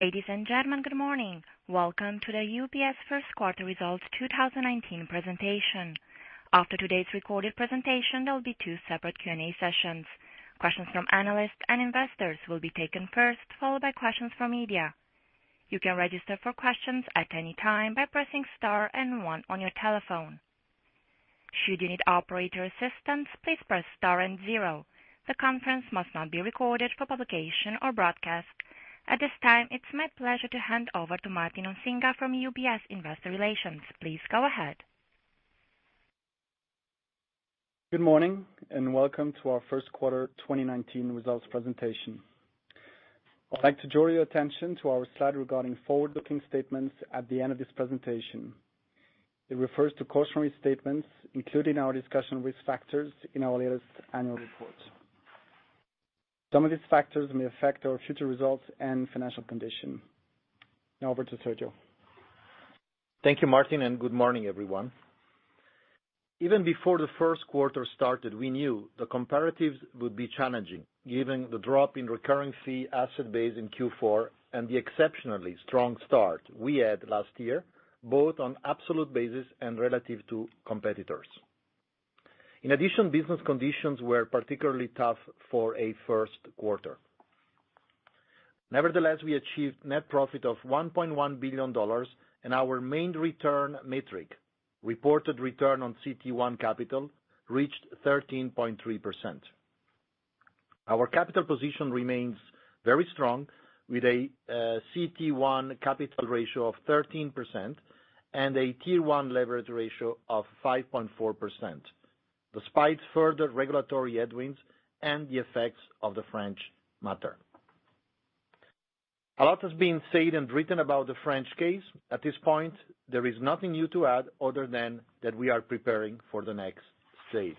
Ladies and gentlemen, good morning. Welcome to the UBS first quarter results 2019 presentation. After today's recorded presentation, there will be two separate Q&A sessions. Questions from analysts and investors will be taken first, followed by questions from media. You can register for questions at any time by pressing star and one on your telephone. Should you need operator assistance, please press star and zero. The conference must not be recorded for publication or broadcast. At this time, it's my pleasure to hand over to Martin Osinga from UBS Investor Relations. Please go ahead. Good morning. Welcome to our first quarter 2019 results presentation. I'd like to draw your attention to our slide regarding forward-looking statements at the end of this presentation. It refers to cautionary statements, including our discussion with factors in our latest annual report. Some of these factors may affect our future results and financial condition. Now over to Sergio. Thank you, Martin. Good morning, everyone. Even before the first quarter started, we knew the comparatives would be challenging, given the drop in recurring fee asset base in Q4 and the exceptionally strong start we had last year, both on absolute basis and relative to competitors. In addition, business conditions were particularly tough for a first quarter. Nevertheless, we achieved net profit of CHF 1.1 billion, and our main return metric, reported return on CET1 capital, reached 13.3%. Our capital position remains very strong, with a CET1 capital ratio of 13% and a Tier 1 leverage ratio of 5.4%, despite further regulatory headwinds and the effects of the French matter. A lot has been said and written about the French case. At this point, there is nothing new to add other than that we are preparing for the next stage.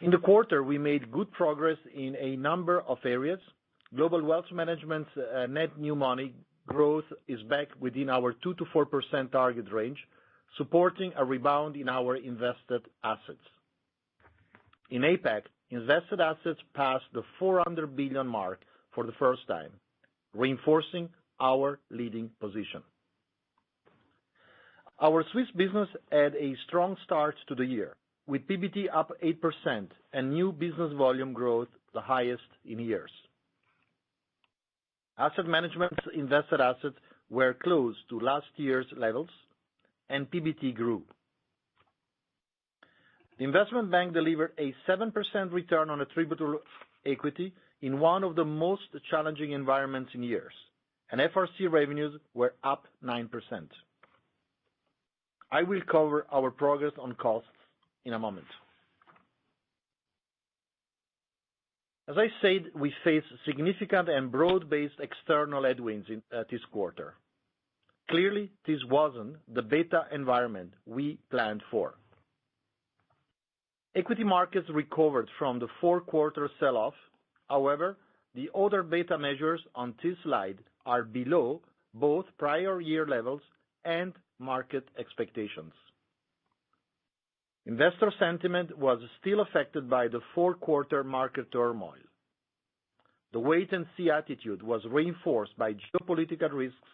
In the quarter, we made good progress in a number of areas. Global Wealth Management net new money growth is back within our 2%-4% target range, supporting a rebound in our invested assets. In APAC, invested assets passed the 400 billion mark for the first time, reinforcing our leading position. Our Swiss business had a strong start to the year, with PBT up 8% and new business volume growth the highest in years. Asset Management's invested assets were close to last year's levels, and PBT grew. The Investment Bank delivered a 7% return on attributable equity in one of the most challenging environments in years, and FRC revenues were up 9%. I will cover our progress on costs in a moment. As I said, we face significant and broad-based external headwinds this quarter. Clearly, this wasn't the beta environment we planned for. Equity markets recovered from the four-quarter sell-off. The other beta measures on this slide are below both prior year levels and market expectations. Investor sentiment was still affected by the four-quarter market turmoil. The wait-and-see attitude was reinforced by geopolitical risks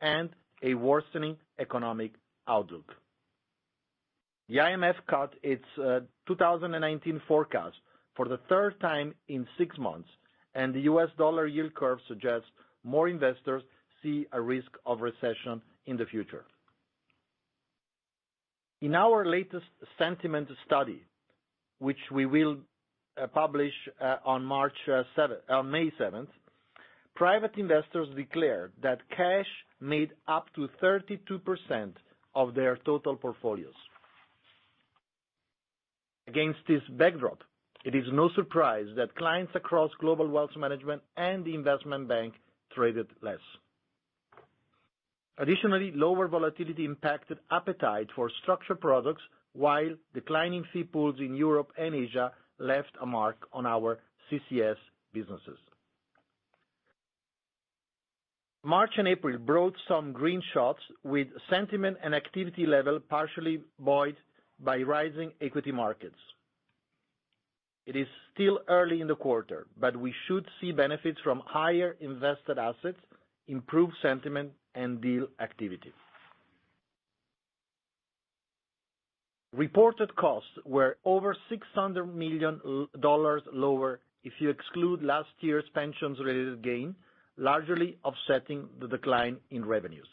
and a worsening economic outlook. The IMF cut its 2019 forecast for the third time in six months, and the US dollar yield curve suggests more investors see a risk of recession in the future. In our latest sentiment study, which we will publish on May 7th, private investors declared that cash made up to 32% of their total portfolios. Against this backdrop, it is no surprise that clients across Global Wealth Management and the Investment Bank traded less. Additionally, lower volatility impacted appetite for structured products, while declining fee pools in Europe and Asia left a mark on our CCS businesses. March and April brought some green shots with sentiment and activity level partially buoyed by rising equity markets. It is still early in the quarter, but we should see benefits from higher invested assets, improved sentiment, and deal activity. Reported costs were over CHF 600 million lower if you exclude last year's pensions-related gain, largely offsetting the decline in revenues.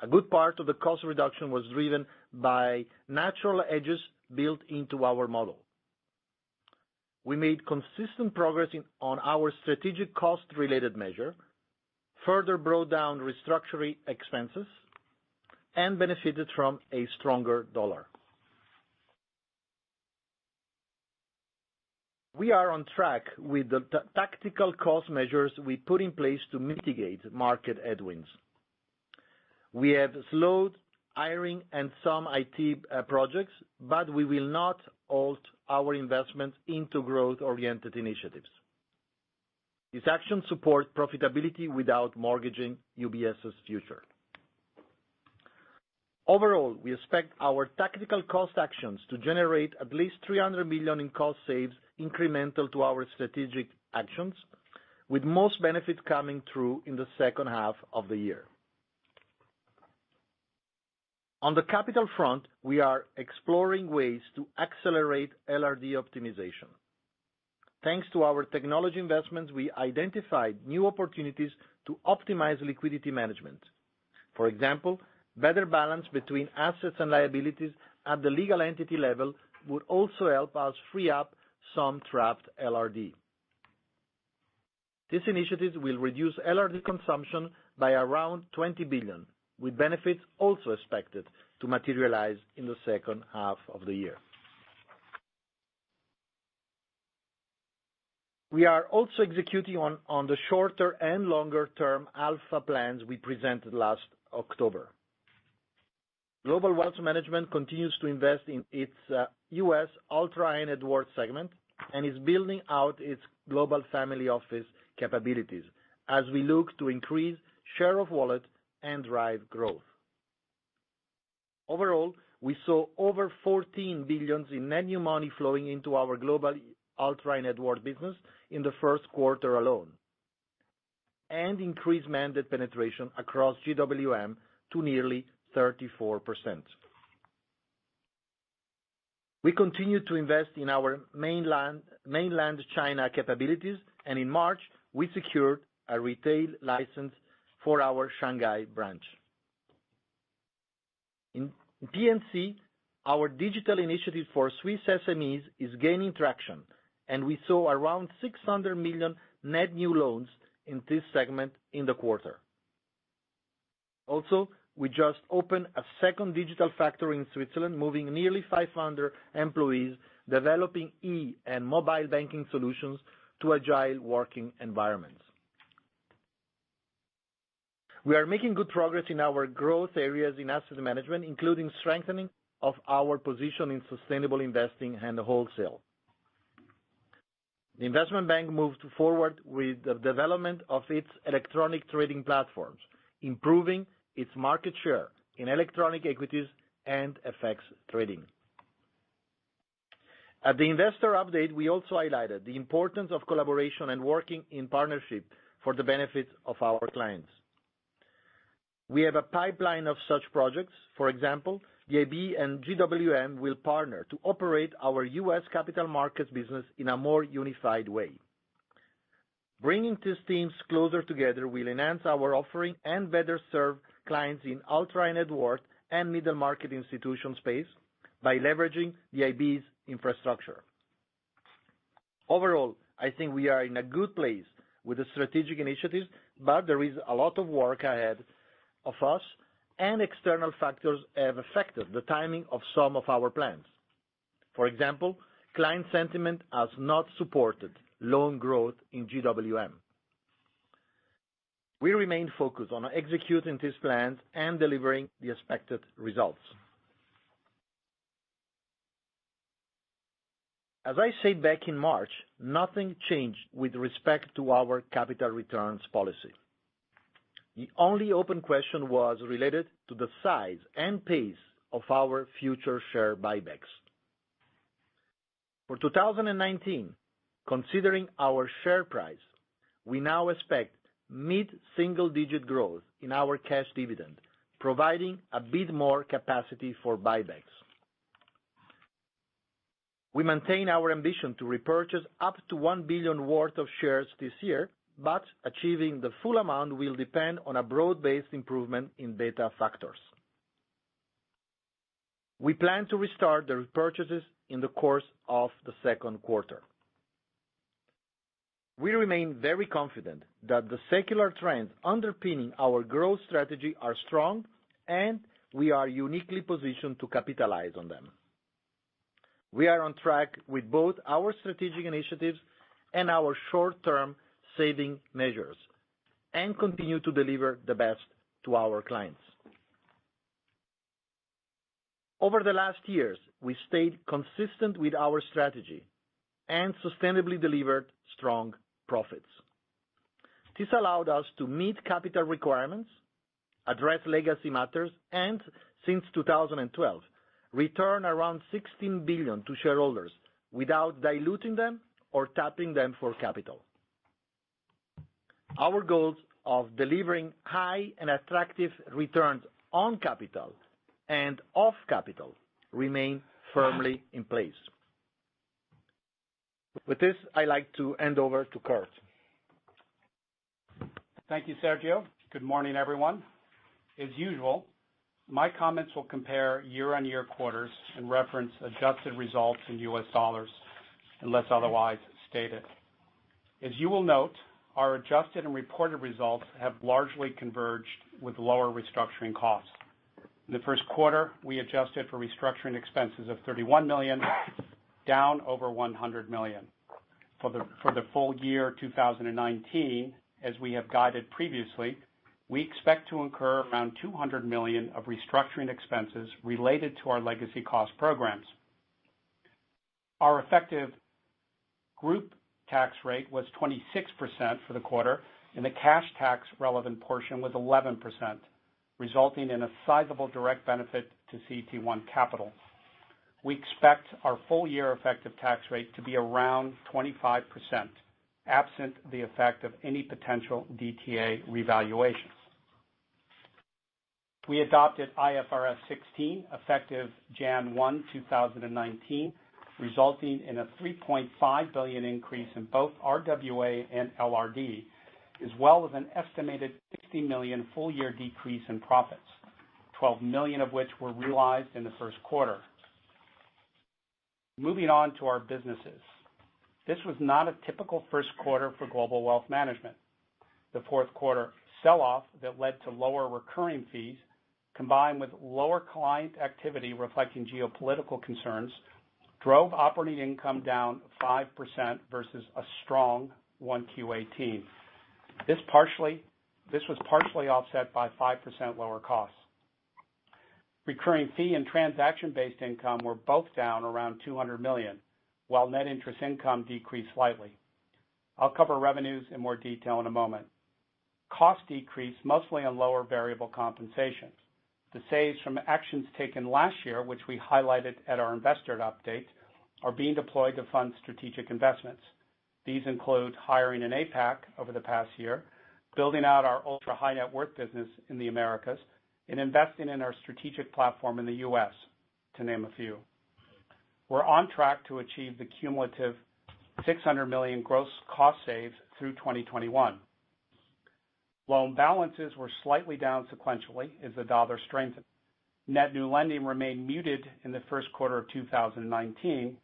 A good part of the cost reduction was driven by natural edges built into our model. We made consistent progress on our strategic cost-related measure, further brought down restructuring expenses, and benefited from a stronger dollar. We are on track with the tactical cost measures we put in place to mitigate market headwinds. We have slowed hiring and some IT projects, but we will not halt our investments into growth-oriented initiatives. These actions support profitability without mortgaging UBS's future. Overall, we expect our tactical cost actions to generate at least 300 million in cost saves incremental to our strategic actions, with most benefits coming through in the second half of the year. On the capital front, we are exploring ways to accelerate LRD optimization. Thanks to our technology investments, we identified new opportunities to optimize liquidity management. For example, better balance between assets and liabilities at the legal entity level would also help us free up some trapped LRD. This initiative will reduce LRD consumption by around 20 billion, with benefits also expected to materialize in the second half of the year. We are also executing on the shorter and longer-term alpha plans we presented last October. Global Wealth Management continues to invest in its U.S. Ultra High Net Worth segment and is building out its global family office capabilities as we look to increase share of wallet and drive growth. Overall, we saw over 14 billion in net new money flowing into our global Ultra High Net Worth business in the first quarter alone, and increased mandate penetration across GWM to nearly 34%. We continue to invest in our mainland China capabilities, and in March, we secured a retail license for our Shanghai branch. In P&C, our digital initiative for Swiss SMEs is gaining traction, and we saw around 600 million net new loans in this segment in the quarter. Also, we just opened a second digital factory in Switzerland, moving nearly 500 employees, developing e and mobile banking solutions to agile working environments. We are making good progress in our growth areas in Asset Management, including strengthening of our position in sustainable investing and wholesale. The Investment Bank moved forward with the development of its electronic trading platforms, improving its market share in electronic equities and effects trading. At the investor update, we also highlighted the importance of collaboration and working in partnership for the benefit of our clients. We have a pipeline of such projects. For example, the IB and GWM will partner to operate our U.S. capital markets business in a more unified way. Bringing these teams closer together will enhance our offering and better serve clients in Ultra High Net Worth and middle-market institution space by leveraging the IB's infrastructure. Overall, I think we are in a good place with the strategic initiatives, there is a lot of work ahead of us, and external factors have affected the timing of some of our plans. For example, client sentiment has not supported loan growth in GWM. We remain focused on executing these plans and delivering the expected results. As I said back in March, nothing changed with respect to our capital returns policy. The only open question was related to the size and pace of our future share buybacks. For 2019, considering our share price, we now expect mid-single digit growth in our cash dividend, providing a bit more capacity for buybacks. We maintain our ambition to repurchase up to $1 billion worth of shares this year, achieving the full amount will depend on a broad-based improvement in beta factors. We plan to restart the repurchases in the course of the second quarter. We remain very confident that the secular trends underpinning our growth strategy are strong, we are uniquely positioned to capitalize on them. We are on track with both our strategic initiatives and our short-term saving measures, continue to deliver the best to our clients. Over the last years, we stayed consistent with our strategy and sustainably delivered strong profits. This allowed us to meet capital requirements, address legacy matters, since 2012, return around $16 billion to shareholders without diluting them or tapping them for capital. Our goals of delivering high and attractive returns on capital and off capital remain firmly in place. With this, I'd like to hand over to Kirt. Thank you, Sergio. Good morning, everyone. As usual, my comments will compare year-on-year quarters and reference adjusted results in U.S. dollars, unless otherwise stated. As you will note, our adjusted and reported results have largely converged with lower restructuring costs. In the first quarter, we adjusted for restructuring expenses of $31 million, down over $100 million. For the full year 2019, as we have guided previously, we expect to incur around $200 million of restructuring expenses related to our legacy cost programs. Our effective group tax rate was 26% for the quarter, the cash tax relevant portion was 11%, resulting in a sizable direct benefit to CET1 capital. We expect our full-year effective tax rate to be around 25%, absent the effect of any potential DTA revaluations. We adopted IFRS 16 effective January 1, 2019, resulting in a $3.5 billion increase in both RWA and LRD, as well as an estimated $60 million full-year decrease in profits, $12 million of which were realized in the first quarter. Moving on to our businesses. This was not a typical first quarter for Global Wealth Management. The fourth quarter sell-off that led to lower recurring fees, combined with lower client activity reflecting geopolitical concerns, drove operating income down 5% versus a strong 1Q18. This was partially offset by 5% lower costs. Recurring fee and transaction-based income were both down around $200 million, while net interest income decreased slightly. I'll cover revenues in more detail in a moment. Costs decreased mostly on lower variable compensations. The saves from actions taken last year, which we highlighted at our investor update, are being deployed to fund strategic investments. These include hiring in APAC over the past year, building out our Ultra High Net Worth business in the Americas, and investing in our strategic platform in the U.S., to name a few. We're on track to achieve the cumulative $600 million gross cost saves through 2021. Loan balances were slightly down sequentially as the dollar strengthened. Net new lending remained muted in the first quarter of 2019.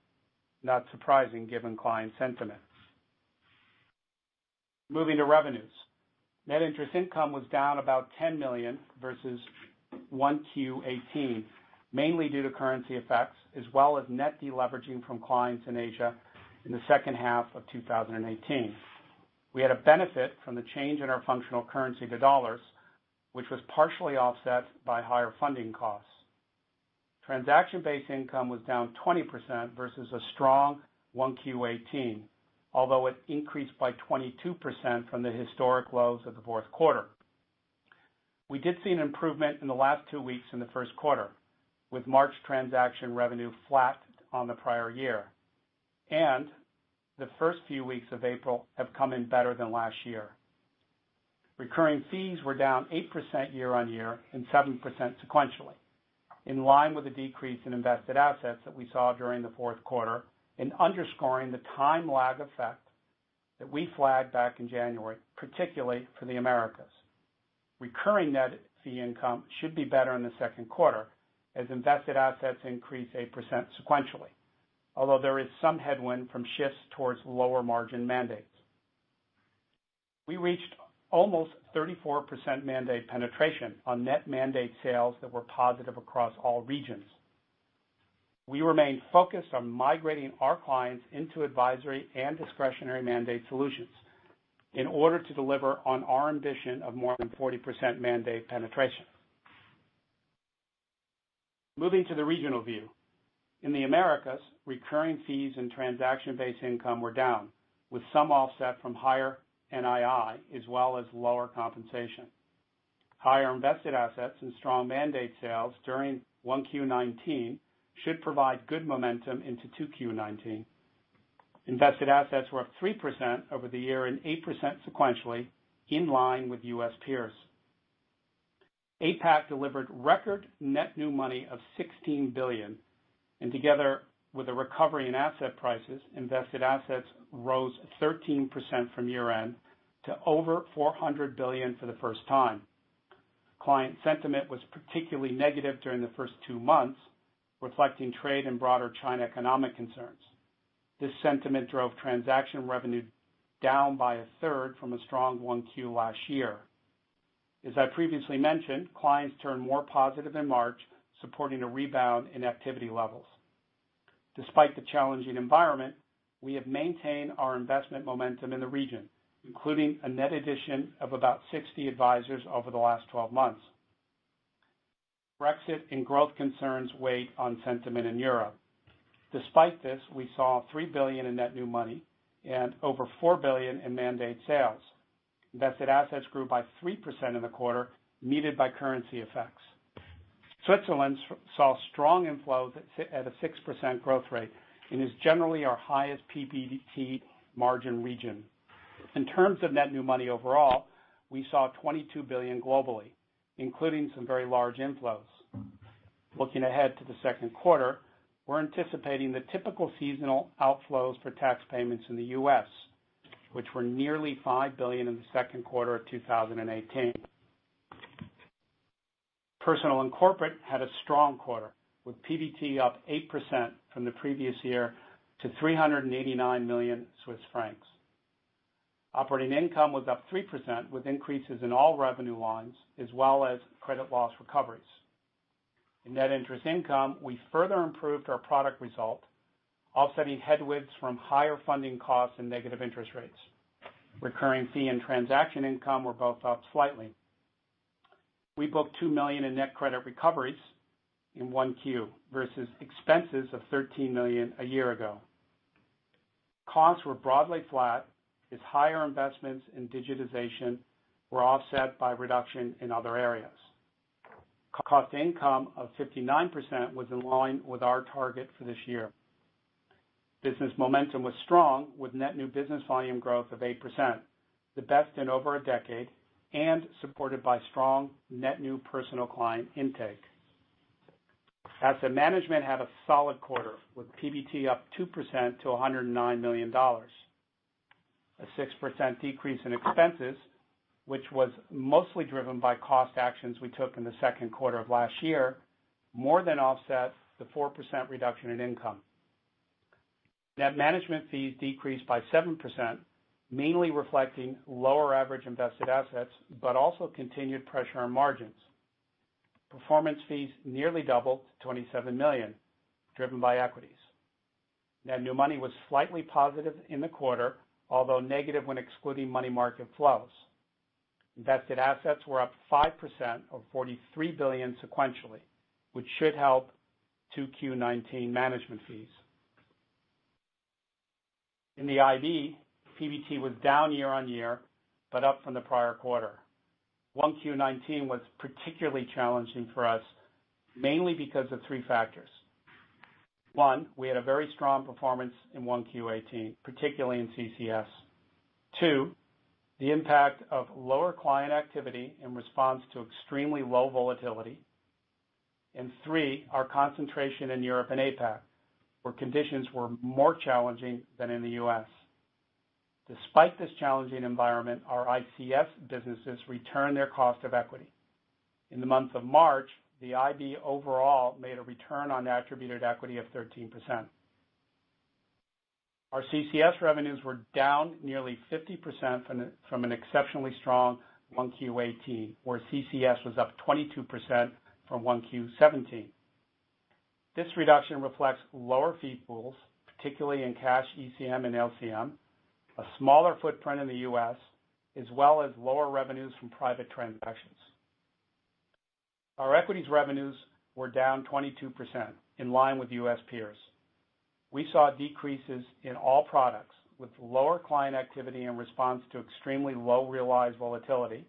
Not surprising, given client sentiments. Moving to revenues. Net interest income was down about $10 million versus 1Q18, mainly due to currency effects, as well as net de-leveraging from clients in Asia in the second half of 2018. We had a benefit from the change in our functional currency to dollars, which was partially offset by higher funding costs. Transaction-based income was down 20% versus a strong 1Q18, although it increased by 22% from the historic lows of the fourth quarter. We did see an improvement in the last two weeks in the first quarter, with March transaction revenue flat on the prior year. The first few weeks of April have come in better than last year. Recurring fees were down 8% year-on-year and 7% sequentially, in line with the decrease in invested assets that we saw during the fourth quarter and underscoring the time lag effect that we flagged back in January, particularly for the Americas. Recurring net fee income should be better in the second quarter as invested assets increase 8% sequentially. Although there is some headwind from shifts towards lower margin mandates. We reached almost 34% mandate penetration on net mandate sales that were positive across all regions. We remain focused on migrating our clients into advisory and discretionary mandate solutions in order to deliver on our ambition of more than 40% mandate penetration. Moving to the regional view. In the Americas, recurring fees and transaction-based income were down, with some offset from higher NII, as well as lower compensation. Higher invested assets and strong mandate sales during 1Q19 should provide good momentum into 2Q19. Invested assets were up 3% over the year and 8% sequentially, in line with U.S. peers. APAC delivered record net new money of $16 billion, and together with a recovery in asset prices, invested assets rose 13% from year-end to over $400 billion for the first time. Client sentiment was particularly negative during the first two months, reflecting trade and broader China economic concerns. This sentiment drove transaction revenue down by a third from a strong one Q last year. As I previously mentioned, clients turned more positive in March, supporting a rebound in activity levels. Despite the challenging environment, we have maintained our investment momentum in the region, including a net addition of about 60 advisors over the last 12 months. Brexit and growth concerns weighed on sentiment in Europe. Despite this, we saw $3 billion in net new money and over $4 billion in mandate sales. Invested assets grew by 3% in the quarter, muted by currency effects. Switzerland saw strong inflows at a 6% growth rate and is generally our highest PBT margin region. In terms of net new money overall, we saw $22 billion globally, including some very large inflows. Looking ahead to the second quarter, we're anticipating the typical seasonal outflows for tax payments in the U.S., which were nearly $5 billion in the second quarter of 2018. Personal and corporate had a strong quarter, with PBT up 8% from the previous year to 389 million Swiss francs. Operating income was up 3%, with increases in all revenue lines, as well as credit loss recoveries. In net interest income, we further improved our product result, offsetting headwinds from higher funding costs and negative interest rates. Recurring fee and transaction income were both up slightly. We booked $2 million in net credit recoveries in 1Q versus expenses of $13 million a year ago. Costs were broadly flat as higher investments in digitization were offset by reduction in other areas. Cost to income of 59% was in line with our target for this year. Business momentum was strong with net new business volume growth of 8%, the best in over a decade, and supported by strong net new personal client intake. Asset Management had a solid quarter with PBT up 2% to $109 million. A 6% decrease in expenses, which was mostly driven by cost actions we took in the second quarter of last year, more than offset the 4% reduction in income. Net management fees decreased by 7%, mainly reflecting lower average invested assets, but also continued pressure on margins. Performance fees nearly doubled to $27 million, driven by equities. Net new money was slightly positive in the quarter, although negative when excluding money market flows. Invested assets were up 5% of $43 billion sequentially, which should help 2Q 2019 management fees. In the IB, PBT was down year-on-year, but up from the prior quarter. 1Q 2019 was particularly challenging for us, mainly because of three factors. One, we had a very strong performance in 1Q 2018, particularly in CCS. Two, the impact of lower client activity in response to extremely low volatility. Three, our concentration in Europe and APAC, where conditions were more challenging than in the U.S. Despite this challenging environment, our ICS businesses returned their cost of equity. In the month of March, the IB overall made a return on attributed equity of 13%. Our CCS revenues were down nearly 50% from an exceptionally strong 1Q 2018, where CCS was up 22% from 1Q 2017. This reduction reflects lower fee pools, particularly in cash ECM and LCM, a smaller footprint in the U.S., as well as lower revenues from private transactions. Our equities revenues were down 22%, in line with U.S. peers. We saw decreases in all products with lower client activity in response to extremely low realized volatility,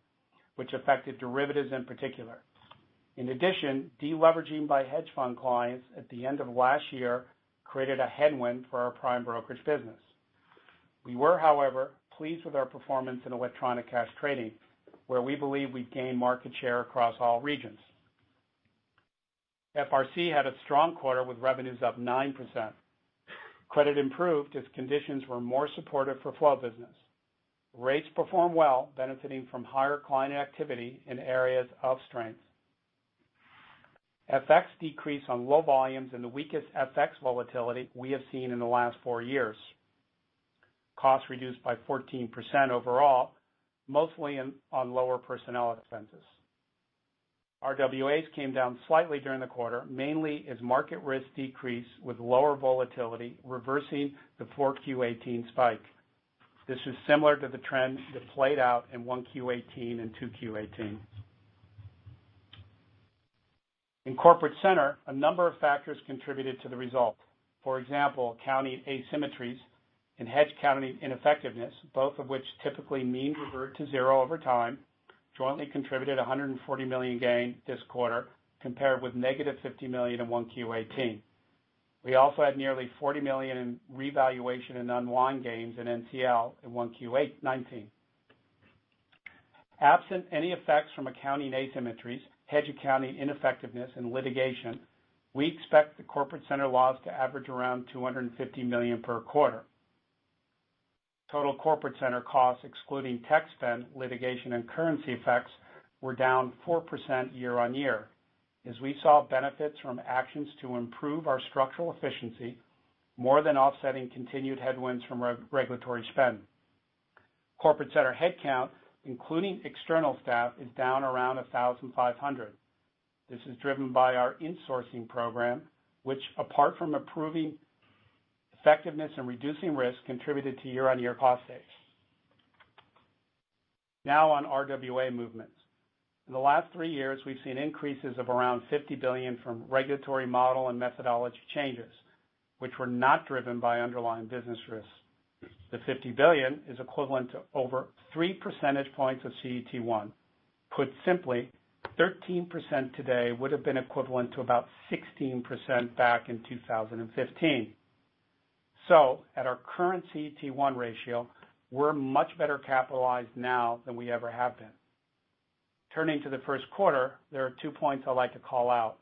which affected derivatives in particular. In addition, de-leveraging by hedge fund clients at the end of last year created a headwind for our prime brokerage business. We were, however, pleased with our performance in electronic cash trading, where we believe we gained market share across all regions. FRC had a strong quarter with revenues up 9%. Credit improved as conditions were more supportive for flow business. Rates performed well, benefiting from higher client activity in areas of strength. FX decreased on low volumes and the weakest FX volatility we have seen in the last four years. Costs reduced by 14% overall, mostly on lower personnel expenses. RWAs came down slightly during the quarter, mainly as market risk decreased with lower volatility, reversing the 4Q 2018 spike. This is similar to the trend that played out in 1Q 2018 and 2Q 2018. In Corporate Center, a number of factors contributed to the result. For example, accounting asymmetries and hedge accounting ineffectiveness, both of which typically mean revert to zero over time, jointly contributed a $140 million gain this quarter compared with negative $50 million in 1Q 2018. We also had nearly $40 million in revaluation in unwind gains in NCL in 1Q 2019. Absent any effects from accounting asymmetries, hedge accounting ineffectiveness, and litigation, we expect the Corporate Center loss to average around $250 million per quarter. Total Corporate Center costs, excluding tech spend, litigation, and currency effects, were down 4% year-on-year as we saw benefits from actions to improve our structural efficiency more than offsetting continued headwinds from regulatory spend. Corporate Center headcount, including external staff, is down around 1,500. This is driven by our insourcing program, which apart from improving effectiveness and reducing risk, contributed to year-on-year cost saves. Now on RWA movements. In the last three years, we've seen increases of around $50 billion from regulatory model and methodology changes, which were not driven by underlying business risks. The $50 billion is equivalent to over three percentage points of CET1. Put simply, 13% today would've been equivalent to about 16% back in 2015. At our current CET1 ratio, we're much better capitalized now than we ever have been. Turning to the first quarter, there are two points I'd like to call out.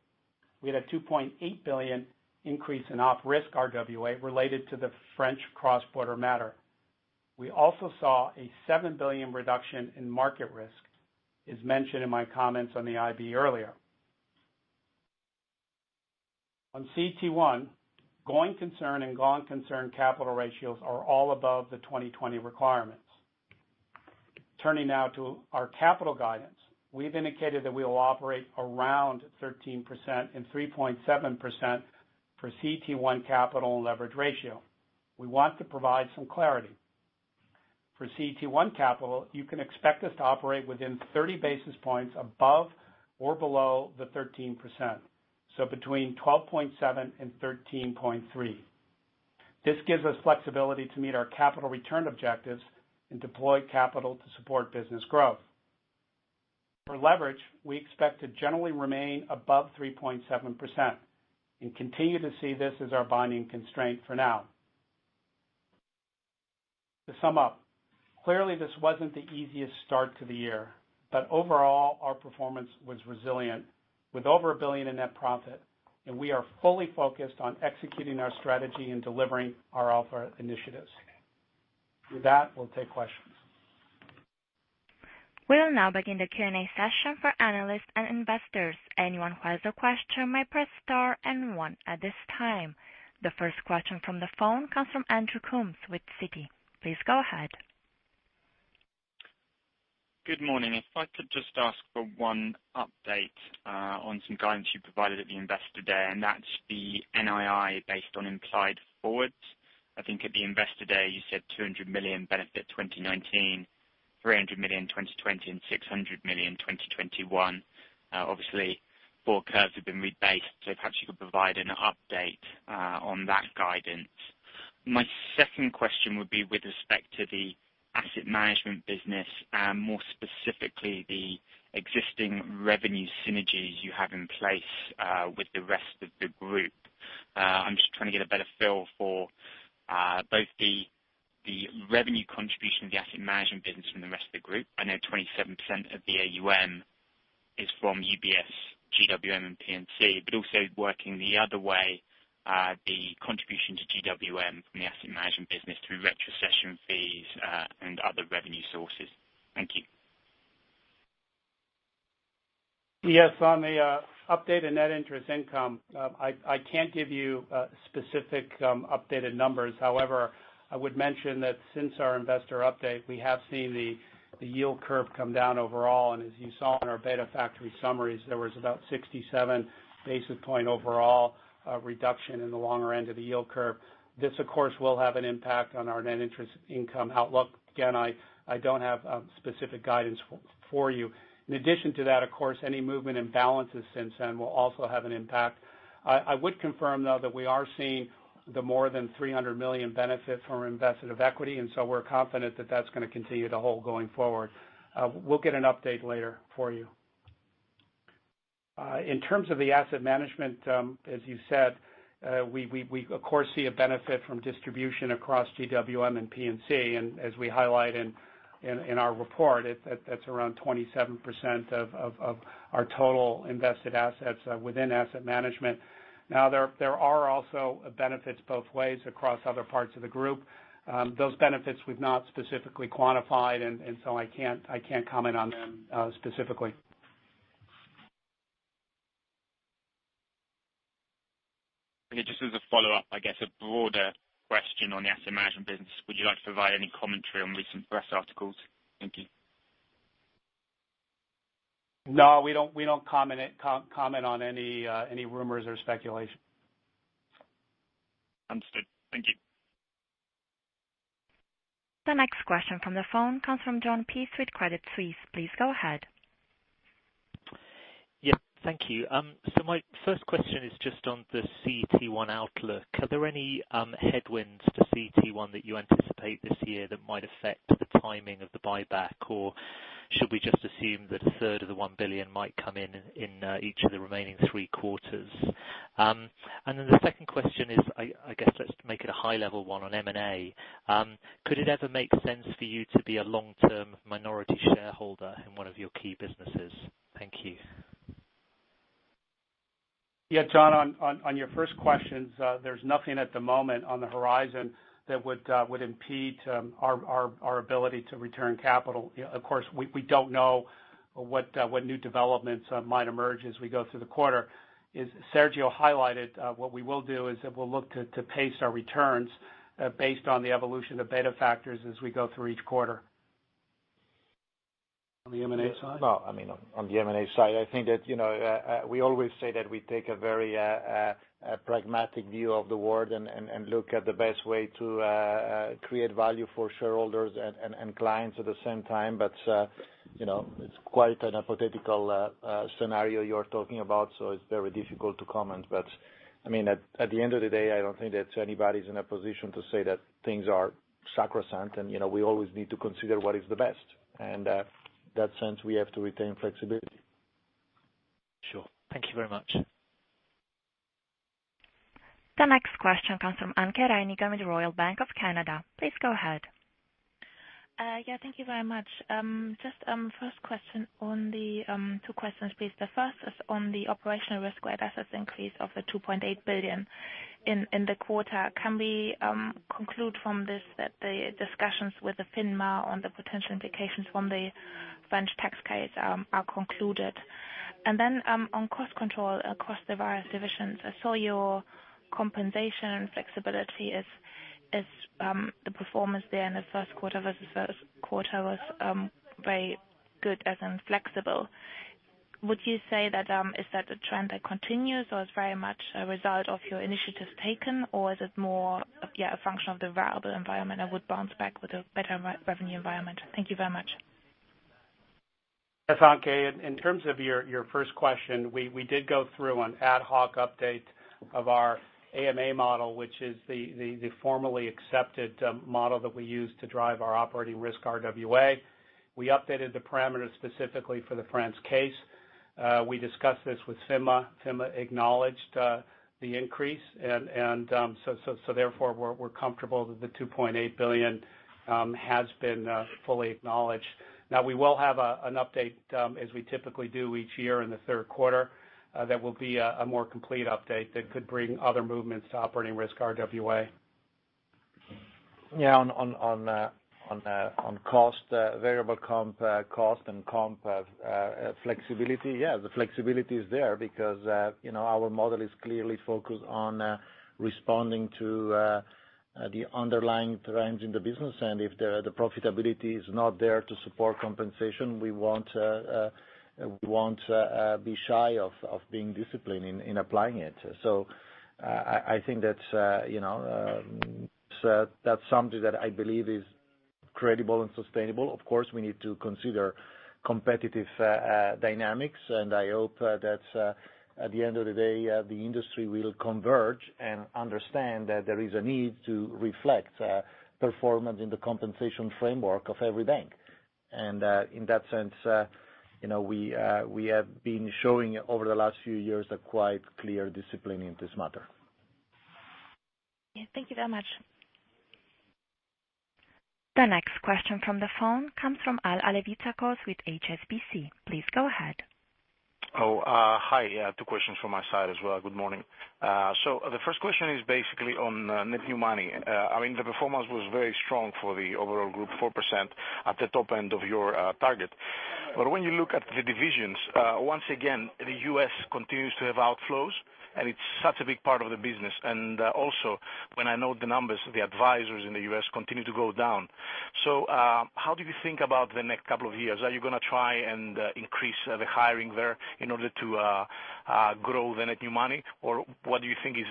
We had a $2.8 billion increase in op risk RWA related to the French cross-border matter. We also saw a $7 billion reduction in market risk, as mentioned in my comments on the IB earlier. On CET1, going concern and gone concern capital ratios are all above the 2020 requirements. Turning now to our capital guidance. We've indicated that we will operate around 13% and 3.7% for CET1 capital and leverage ratio. We want to provide some clarity. For CET1 capital, you can expect us to operate within 30 basis points above or below the 13%, so between 12.7% and 13.3%. This gives us flexibility to meet our capital return objectives and deploy capital to support business growth. For leverage, we expect to generally remain above 3.7% and continue to see this as our binding constraint for now. To sum up, clearly, this wasn't the easiest start to the year, but overall, our performance was resilient, with over $1 billion in net profit, and we are fully focused on executing our strategy and delivering our Alpha initiatives. With that, we'll take questions. We'll now begin the Q&A session for analysts and investors. Anyone who has a question may press star and one at this time. The first question from the phone comes from Andrew Coombs with Citi. Please go ahead. Good morning. If I could just ask for one update on some guidance you provided at the Investor Day, and that's the NII based on implied forwards. I think at the Investor Day, you said 200 million benefit 2019, 300 million 2020, and 600 million 2021. Obviously, four curves have been rebased. If perhaps you could provide an update on that guidance. My second question would be with respect to the Asset Management business and more specifically, the existing revenue synergies you have in place with the rest of the group. I'm just trying to get a better feel for both the revenue contribution of the Asset Management business from the rest of the group. I know 27% of the AUM is from UBS, GWM, and P&C, but also working the other way, the contribution to GWM from the Asset Management business through retrocession fees and other revenue sources. Thank you. Yes. On the updated net interest income, I can't give you specific updated numbers. However, I would mention that since our investor update, we have seen the yield curve come down overall. As you saw in our beta factor summaries, there was about 67 basis point overall reduction in the longer end of the yield curve. This, of course, will have an impact on our net interest income outlook. Again, I don't have specific guidance for you. In addition to that, of course, any movement in balances since then will also have an impact. I would confirm, though, that we are seeing the more than 300 million benefit from invested equity. We're confident that that's going to continue to hold going forward. We'll get an update later for you. In terms of the Asset Management, as you said, we of course see a benefit from distribution across GWM and P&C, as we highlight in our report, that's around 27% of our total invested assets within Asset Management. There are also benefits both ways across other parts of the group. Those benefits we've not specifically quantified, I can't comment on them specifically. Okay. Just as a follow-up, I guess, a broader question on the Asset Management business. Would you like to provide any commentary on recent press articles? Thank you. No, we don't comment on any rumors or speculation. Understood. Thank you. The next question from the phone comes from Jon Peace with Credit Suisse. Please go ahead. Yeah. Thank you. My first question is just on the CET1 outlook. Are there any headwinds to CET1 that you anticipate this year that might affect the timing of the buyback? Or should we just assume that a third of the 1 billion might come in each of the remaining three quarters? The second question is, I guess let's make it a high-level one on M&A. Could it ever make sense for you to be a long-term minority shareholder in one of your key businesses? Thank you. Yeah, Jon, on your first questions, there's nothing at the moment on the horizon that would impede our ability to return capital. Of course, we don't know what new developments might emerge as we go through the quarter. As Sergio highlighted, what we will do is that we'll look to pace our returns based on the evolution of beta factors as we go through each quarter. On the M&A side? Well, on the M&A side, I think that we always say that we take a very pragmatic view of the world and look at the best way to create value for shareholders and clients at the same time. It's quite an hypothetical scenario you're talking about, so it's very difficult to comment. At the end of the day, I don't think that anybody's in a position to say that things are sacrosanct, and we always need to consider what is the best. In that sense, we have to retain flexibility. Sure. Thank you very much. The next question comes from Anke Reingen with Royal Bank of Canada. Please go ahead. Yeah, thank you very much. Two questions, please. The first is on the operational risk-weighted assets increase of the $2.8 billion in the quarter. Can we conclude from this that the discussions with the FINMA on the potential implications from the French tax case are concluded? On cost control across the various divisions, I saw your compensation flexibility as the performance there in the first quarter was very good as in flexible. Would you say that is a trend that continues, or it's very much a result of your initiatives taken, or is it more of a function of the variable environment and would bounce back with a better revenue environment? Thank you very much. Yes, Anke, in terms of your first question, we did go through an ad hoc update of our AMA model, which is the formally accepted model that we use to drive our operating risk RWA. We updated the parameters specifically for the France case. We discussed this with FINMA. FINMA acknowledged the increase, therefore we're comfortable that the $2.8 billion has been fully acknowledged. We will have an update, as we typically do each year in the third quarter. That will be a more complete update that could bring other movements to operating risk RWA. Yeah, on cost, variable comp cost and comp flexibility. Yeah, the flexibility is there because our model is clearly focused on responding to the underlying trends in the business, and if the profitability is not there to support compensation, we won't be shy of being disciplined in applying it. I think that's something that I believe is credible and sustainable. Of course, we need to consider competitive dynamics, and I hope that at the end of the day, the industry will converge and understand that there is a need to reflect performance in the compensation framework of every bank. In that sense we have been showing over the last few years a quite clear discipline in this matter. Thank you very much. The next question from the phone comes from Alevizos Alevizakos with HSBC. Please go ahead. Oh, hi. Two questions from my side as well. Good morning. The first question is basically on net new money. The performance was very strong for the overall group, 4% at the top end of your target. When you look at the divisions, once again, the U.S. continues to have outflows, and it's such a big part of the business. Also when I note the numbers, the advisors in the U.S. continue to go down. How do you think about the next couple of years? Are you going to try and increase the hiring there in order to grow the net new money? What do you think is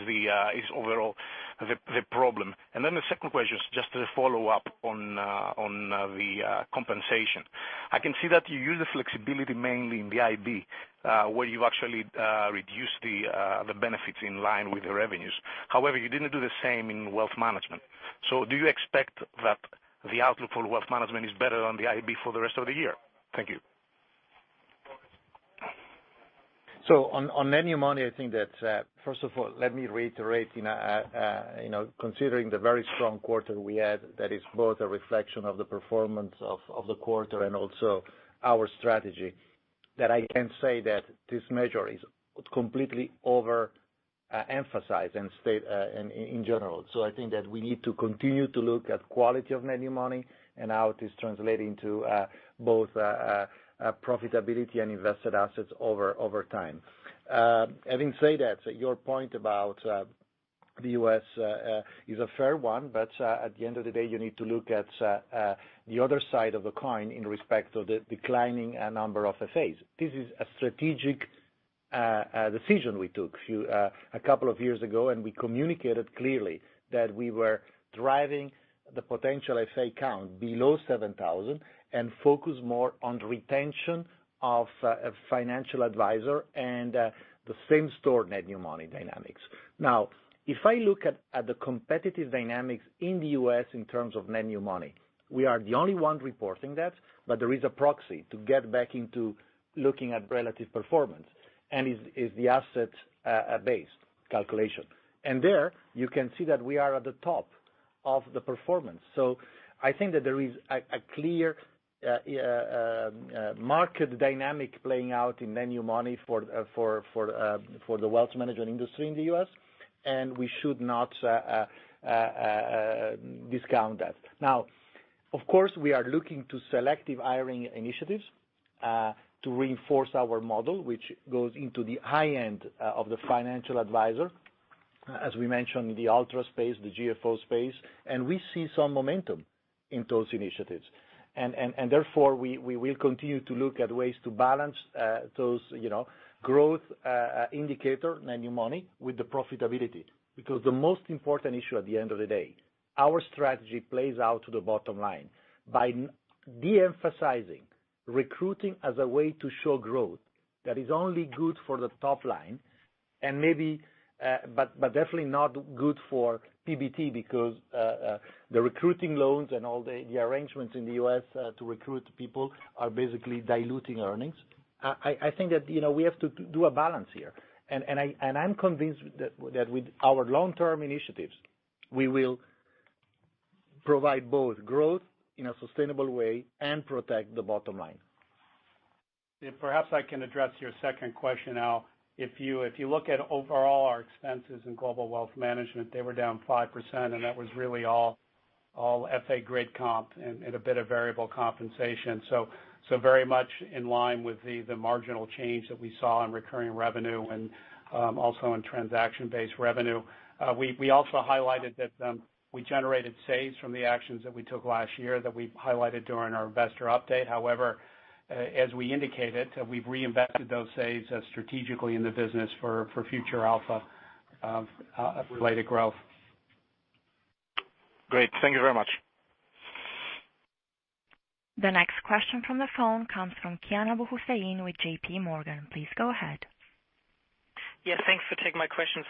overall the problem? The second question is just a follow-up on the compensation. I can see that you use the flexibility mainly in the IB, where you've actually reduced the benefits in line with the revenues. However, you didn't do the same in wealth management. Do you expect that the outlook for wealth management is better than the IB for the rest of the year? Thank you. On net new money, I think that, first of all, let me reiterate, considering the very strong quarter we had, that is both a reflection of the performance of the quarter and also our strategy. I can say that this measure is completely overemphasized in general. I think that we need to continue to look at quality of net new money and how it is translating to both profitability and invested assets over time. Having said that, your point about the U.S. is a fair one, but at the end of the day, you need to look at the other side of the coin in respect of the declining number of FAs. This is a strategic decision we took a couple of years ago, and we communicated clearly that we were driving the potential FA count below 7,000 and focus more on retention of financial advisor and the same-store net new money dynamics. Now, if I look at the competitive dynamics in the U.S. in terms of net new money, we are the only one reporting that, but there is a proxy to get back into looking at relative performance and is the asset base calculation. There you can see that we are at the top of the performance. I think that there is a clear market dynamic playing out in net new money for the wealth management industry in the U.S., and we should not discount that. Now, of course, we are looking to selective hiring initiatives to reinforce our model, which goes into the high end of the financial advisor, as we mentioned, the ultra space, the GFO space, and we see some momentum in those initiatives. Therefore, we will continue to look at ways to balance those growth indicator, net new money, with the profitability. Because the most important issue at the end of the day, our strategy plays out to the bottom line by de-emphasizing recruiting as a way to show growth that is only good for the top line, but definitely not good for PBT because the recruiting loans and all the arrangements in the U.S. to recruit people are basically diluting earnings. I think that we have to do a balance here. I'm convinced that with our long-term initiatives, we will provide both growth in a sustainable way and protect the bottom line. Perhaps I can address your second question, Al. If you look at overall our expenses in Global Wealth Management, they were down 5% and that was really all FA grade comp and a bit of variable compensation. Very much in line with the marginal change that we saw in recurring revenue and also in transaction-based revenue. We also highlighted that we generated saves from the actions that we took last year that we highlighted during our investor update. However, as we indicated, we've reinvested those saves strategically in the business for future alpha. Of related growth. Great. Thank you very much. The next question from the phone comes from Kian Abouhossein with J.P. Morgan. Please go ahead. Yes, thanks for taking my questions.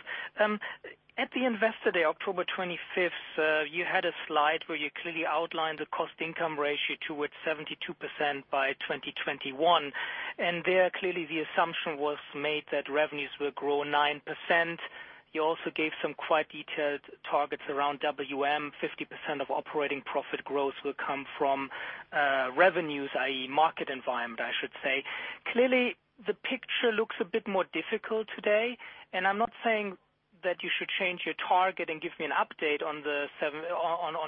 At the Investor Day, October 25th, you had a slide where you clearly outlined the cost income ratio towards 72% by 2021. There, clearly the assumption was made that revenues will grow 9%. You also gave some quite detailed targets around WM, 50% of operating profit growth will come from revenues, i.e., market environment, I should say. Clearly, the picture looks a bit more difficult today. I'm not saying that you should change your target and give me an update on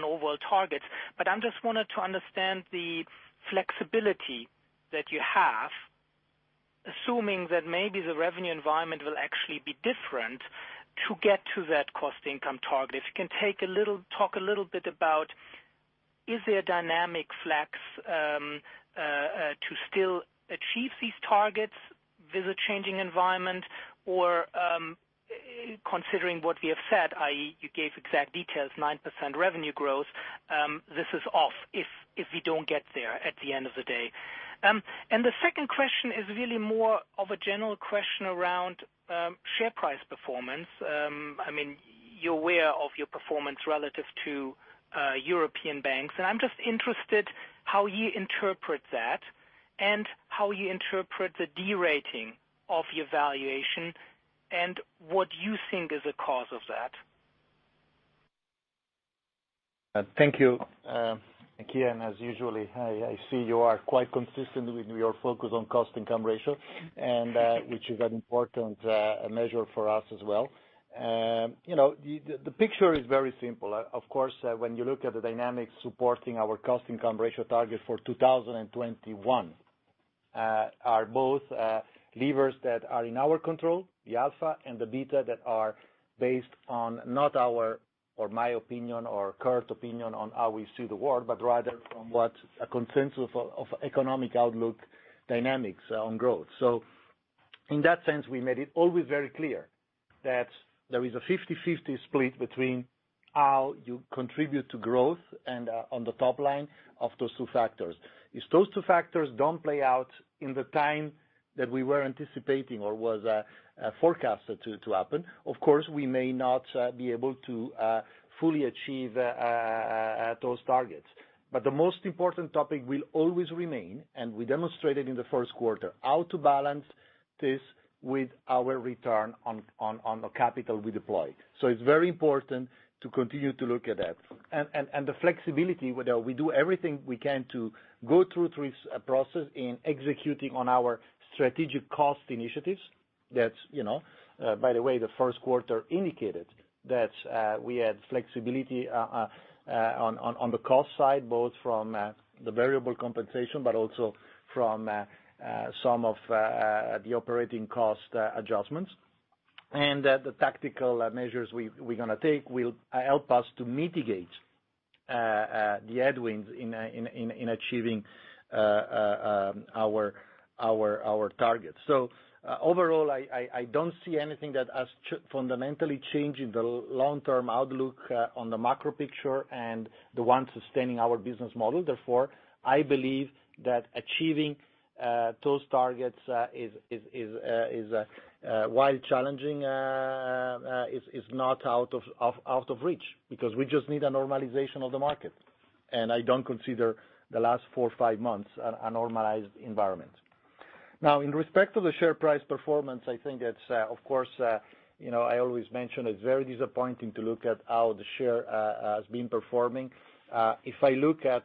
overall targets, I just wanted to understand the flexibility that you have, assuming that maybe the revenue environment will actually be different to get to that cost income target. If you can talk a little bit about, is there a dynamic flex to still achieve these targets with the changing environment? Considering what we have said, i.e., you gave exact details, 9% revenue growth, this is off if we don't get there at the end of the day. The second question is really more of a general question around share price performance. You're aware of your performance relative to European banks, I'm just interested how you interpret that and how you interpret the de-rating of your valuation and what you think is the cause of that. Thank you. Kian, as usually, I see you are quite consistent with your focus on cost income ratio, which is an important measure for us as well. The picture is very simple. Of course, when you look at the dynamics supporting our cost income ratio target for 2021, are both levers that are in our control, the alpha and the beta, that are based on not our, or my opinion, or Kirt's opinion on how we see the world, but rather from what a consensus of economic outlook dynamics on growth. In that sense, we made it always very clear that there is a 50/50 split between how you contribute to growth and on the top line of those two factors. If those two factors don't play out in the time that we were anticipating or was forecasted to happen, of course, we may not be able to fully achieve those targets. The most important topic will always remain, and we demonstrated in the first quarter, how to balance this with our return on the capital we deployed. It's very important to continue to look at that. The flexibility, we do everything we can to go through this process in executing on our strategic cost initiatives. That's, by the way, the first quarter indicated that we had flexibility on the cost side, both from the variable compensation, but also from some of the operating cost adjustments. The tactical measures we're going to take will help us to mitigate the headwinds in achieving our targets. Overall, I don't see anything that has fundamentally changed in the long-term outlook on the macro picture and the one sustaining our business model. Therefore, I believe that achieving those targets, while challenging, is not out of reach, because we just need a normalization of the market. I don't consider the last four or five months a normalized environment. In respect to the share price performance, I think it's, of course, I always mention it's very disappointing to look at how the share has been performing. If I look at,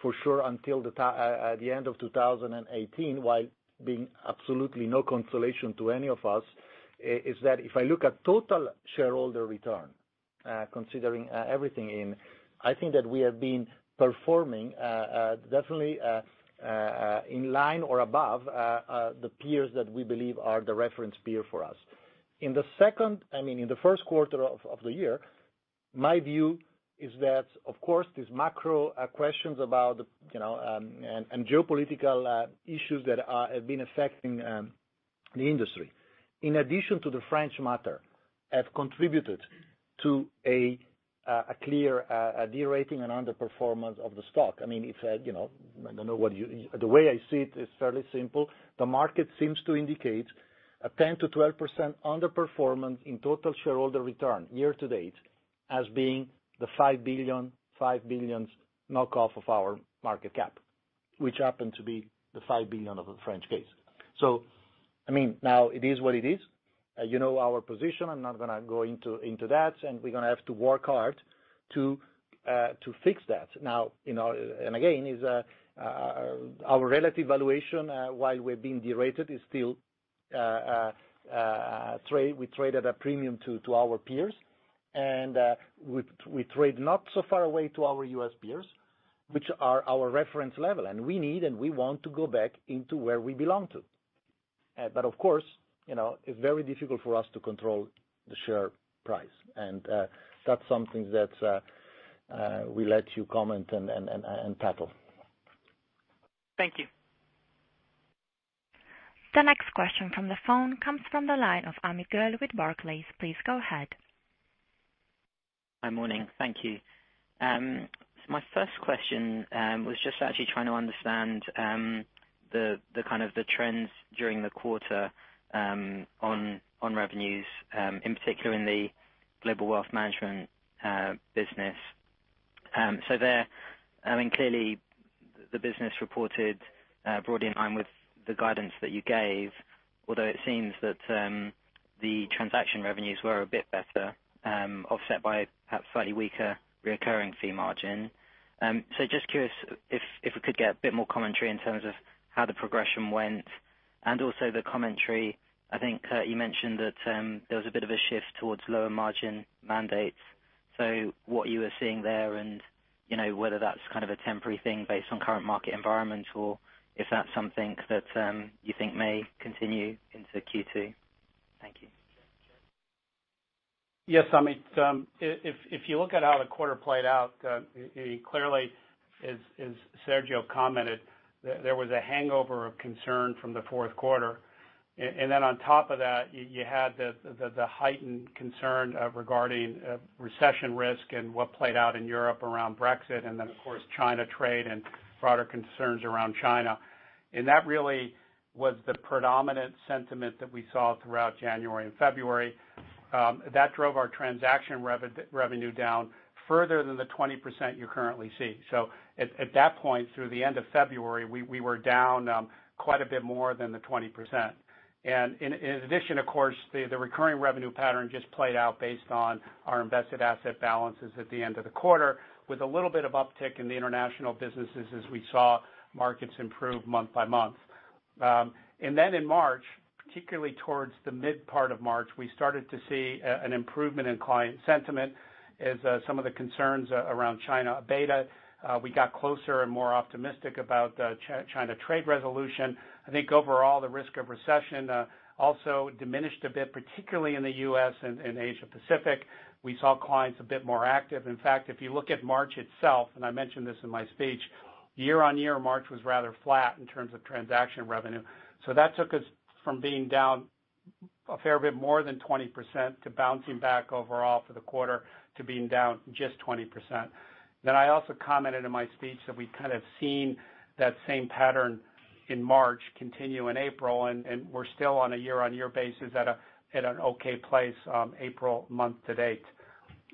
for sure until the end of 2018, while being absolutely no consolation to any of us, is that if I look at total shareholder return, considering everything in, I think that we have been performing definitely in line or above the peers that we believe are the reference peer for us. In the first quarter of the year, my view is that, of course, these macro questions about, and geopolitical issues that have been affecting the industry, in addition to the French matter, have contributed to a clear de-rating and underperformance of the stock. The way I see it is fairly simple. The market seems to indicate a 10%-12% underperformance in total shareholder return year to date as being the 5 billion knockoff of our market cap, which happened to be the 5 billion of the French case. Now it is what it is. You know our position. I'm not going to go into that, and we're going to have to work hard to fix that. Again, our relative valuation, while we're being de-rated, is still we trade at a premium to our peers, and we trade not so far away to our U.S. peers, which are our reference level, and we need and we want to go back into where we belong to. Of course, it's very difficult for us to control the share price. That's something that we let you comment and tackle. Thank you. The next question from the phone comes from the line of Amit Goel with Barclays. Please go ahead. Hi, morning. Thank you. My first question was just actually trying to understand the trends during the quarter on revenues, in particular in the Global Wealth Management business. Clearly the business reported broadly in line with the guidance that you gave, although it seems that the transaction revenues were a bit better, offset by perhaps slightly weaker recurring fee margin. Just curious if we could get a bit more commentary in terms of how the progression went and also the commentary. I think you mentioned that there was a bit of a shift towards lower margin mandates. What you are seeing there and whether that's kind of a temporary thing based on current market environments or if that's something that you think may continue into Q2. Thank you. Yes. Amit, if you look at how the quarter played out, clearly, as Sergio commented, there was a hangover of concern from the fourth quarter. Then on top of that, you had the heightened concern regarding recession risk and what played out in Europe around Brexit. Then of course, China trade and broader concerns around China. That really was the predominant sentiment that we saw throughout January and February, that drove our transaction revenue down further than the 20% you currently see. At that point, through the end of February, we were down quite a bit more than the 20%. In addition, of course, the recurring revenue pattern just played out based on our invested asset balances at the end of the quarter, with a little bit of uptick in the international businesses as we saw markets improve month by month. In March, particularly towards the mid part of March, we started to see an improvement in client sentiment as some of the concerns around China abated. We got closer and more optimistic about the China trade resolution. I think overall, the risk of recession also diminished a bit, particularly in the U.S. and Asia-Pacific. We saw clients a bit more active. In fact, if you look at March itself, and I mentioned this in my speech, year-on-year, March was rather flat in terms of transaction revenue. That took us from being down a fair bit more than 20% to bouncing back overall for the quarter to being down just 20%. I also commented in my speech that we kind of seen that same pattern in March continue in April, and we're still on a year-on-year basis at an okay place April month to date.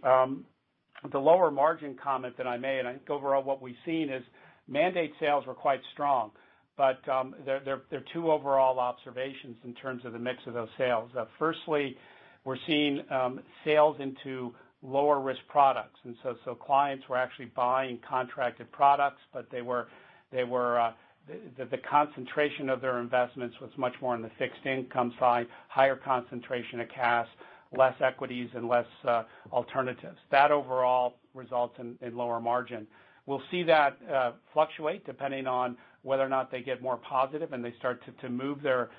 The lower margin comment that I made, I think overall what we've seen is mandate sales were quite strong. There are two overall observations in terms of the mix of those sales. Firstly, we're seeing sales into lower risk products, clients were actually buying contracted products, but the concentration of their investments was much more on the fixed income side, higher concentration of cash, less equities and less alternatives. That overall results in lower margin. We'll see that fluctuate depending on whether or not they get more positive and they start to move their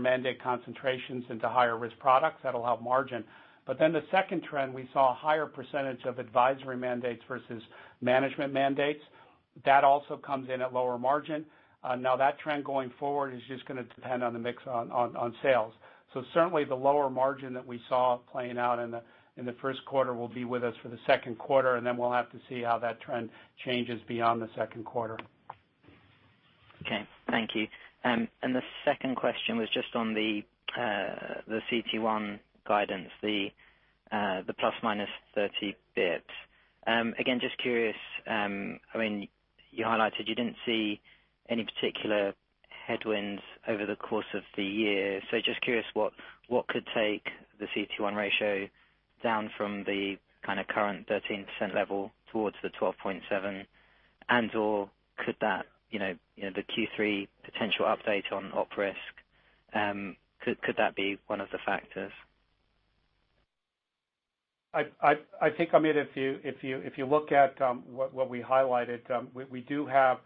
mandate concentrations into higher risk products. That'll help margin. The second trend, we saw a higher percentage of advisory mandates versus management mandates. That also comes in at lower margin. That trend going forward is just going to depend on the mix on sales. Certainly the lower margin that we saw playing out in the first quarter will be with us for the second quarter, we'll have to see how that trend changes beyond the second quarter. Okay. Thank you. The second question was just on the CET1 guidance, the ±30 bit. Again, just curious, you highlighted you didn't see any particular headwinds over the course of the year. Just curious what could take the CET1 ratio down from the kind of current 13% level towards the 12.7%, and/or could that, the Q3 potential update on op risk, could that be one of the factors? I think, Amit, if you look at what we highlighted, we do have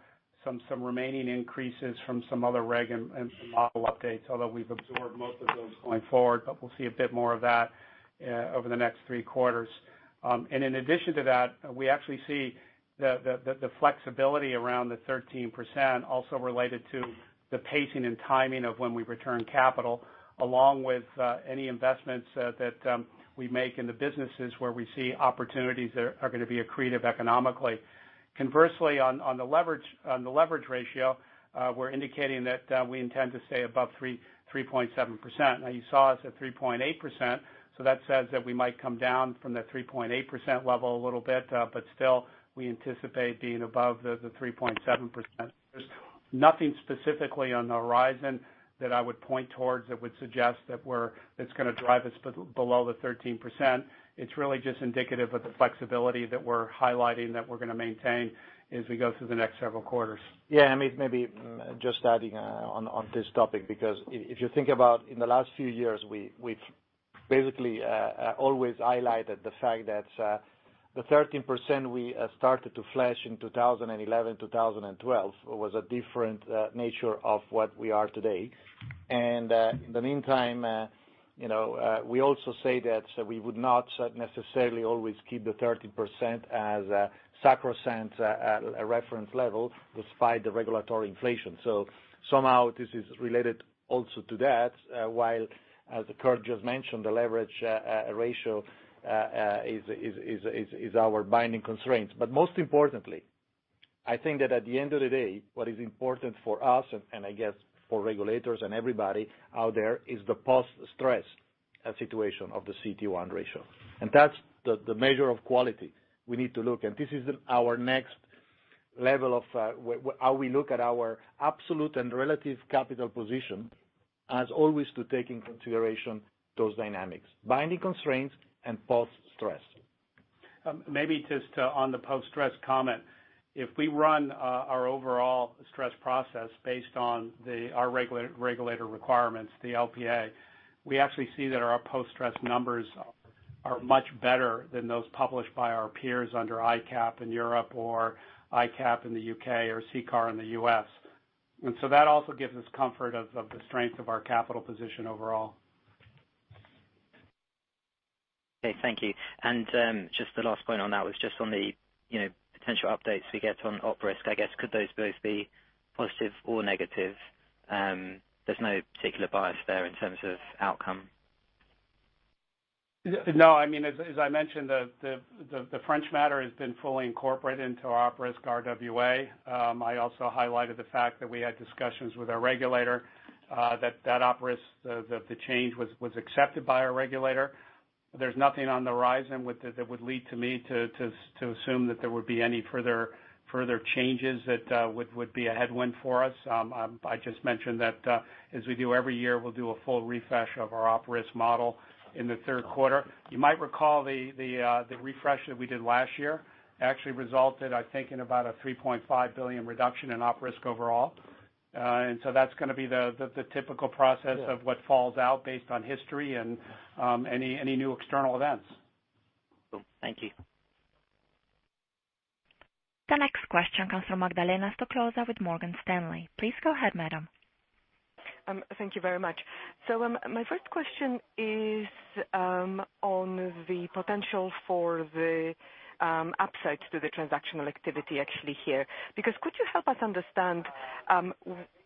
some remaining increases from some other reg and some model updates, although we've absorbed most of those going forward. We'll see a bit more of that over the next three quarters. In addition to that, we actually see the flexibility around the 13% also related to the pacing and timing of when we return capital, along with any investments that we make in the businesses where we see opportunities that are going to be accretive economically. Conversely, on the leverage ratio, we're indicating that we intend to stay above 3.7%. Now, you saw us at 3.8%, so that says that we might come down from the 3.8% level a little bit, but still, we anticipate being above the 3.7%. There's nothing specifically on the horizon that I would point towards that would suggest that's going to drive us below the 13%. It's really just indicative of the flexibility that we're highlighting that we're going to maintain as we go through the next several quarters. Yeah, Amit, maybe just adding on this topic because if you think about in the last few years we've Basically, always highlighted the fact that the 13% we started to flash in 2011, 2012, was a different nature of what we are today. In the meantime, we also say that we would not necessarily always keep the 13% as sacrosanct, a reference level, despite the regulatory inflation. Somehow this is related also to that, while, as Kirt just mentioned, the leverage ratio is our binding constraints. Most importantly, I think that at the end of the day, what is important for us, and I guess for regulators and everybody out there, is the post-stress situation of the CET1 ratio. That's the measure of quality we need to look. This is our next level of how we look at our absolute and relative capital position as always to take into consideration those dynamics, binding constraints, and post-stress. Maybe just on the post-stress comment, if we run our overall stress process based on our regulator requirements, the Limited Partnership Agreement, we actually see that our post-stress numbers are much better than those published by our peers under ICAAP in Europe or ICAAP in the U.K. or CCAR in the U.S. That also gives us comfort of the strength of our capital position overall. Okay. Thank you. Just the last point on that was just on the potential updates we get on op risk, I guess could those both be positive or negative? There's no particular bias there in terms of outcome. No. As I mentioned, the French matter has been fully incorporated into our op risk RWA. I also highlighted the fact that we had discussions with our regulator that op risk, the change was accepted by our regulator. There's nothing on the horizon that would lead to me to assume that there would be any further changes that would be a headwind for us. I just mentioned that, as we do every year, we'll do a full refresh of our op risk model in the third quarter. You might recall the refresh that we did last year actually resulted, I think, in about a 3.5 billion reduction in op risk overall. That's going to be the typical process of what falls out based on history and any new external events. Cool. Thank you. The next question comes from Magdalena Stoklosa with Morgan Stanley. Please go ahead, madam. Thank you very much. My first question is on the potential for the upside to the transactional activity actually here. Could you help us understand,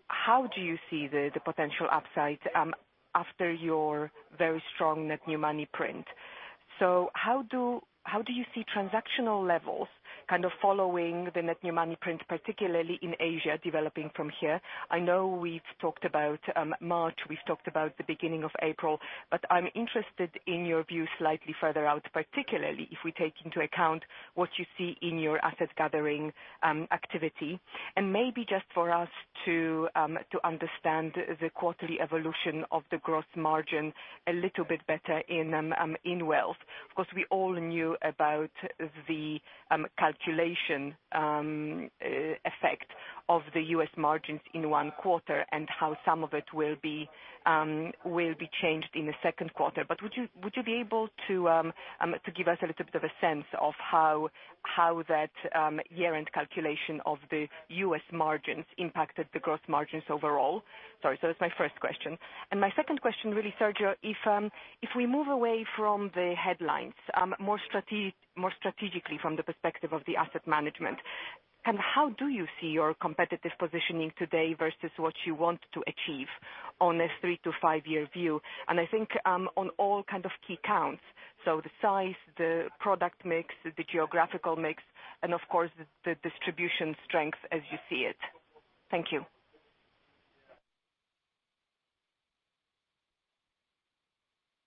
how do you see the potential upside after your very strong net new money print? How do you see transactional levels kind of following the net new money print, particularly in Asia, developing from here? I know we've talked about March, we've talked about the beginning of April, but I'm interested in your view slightly further out, particularly if we take into account what you see in your asset gathering activity. Maybe just for us to understand the quarterly evolution of the growth margin a little bit better in Wealth. Of course, we all knew about the calculation effect of the U.S. margins in one quarter and how some of it will be changed in the second quarter. Would you be able to give us a little bit of a sense of how that year-end calculation of the U.S. margins impacted the growth margins overall? Sorry, that's my first question. My second question, really, Sergio, if we move away from the headlines, more strategically from the perspective of the Asset Management, how do you see your competitive positioning today versus what you want to achieve on a three-to-five-year view? I think on all kind of key counts, the size, the product mix, the geographical mix, and of course, the distribution strength as you see it. Thank you.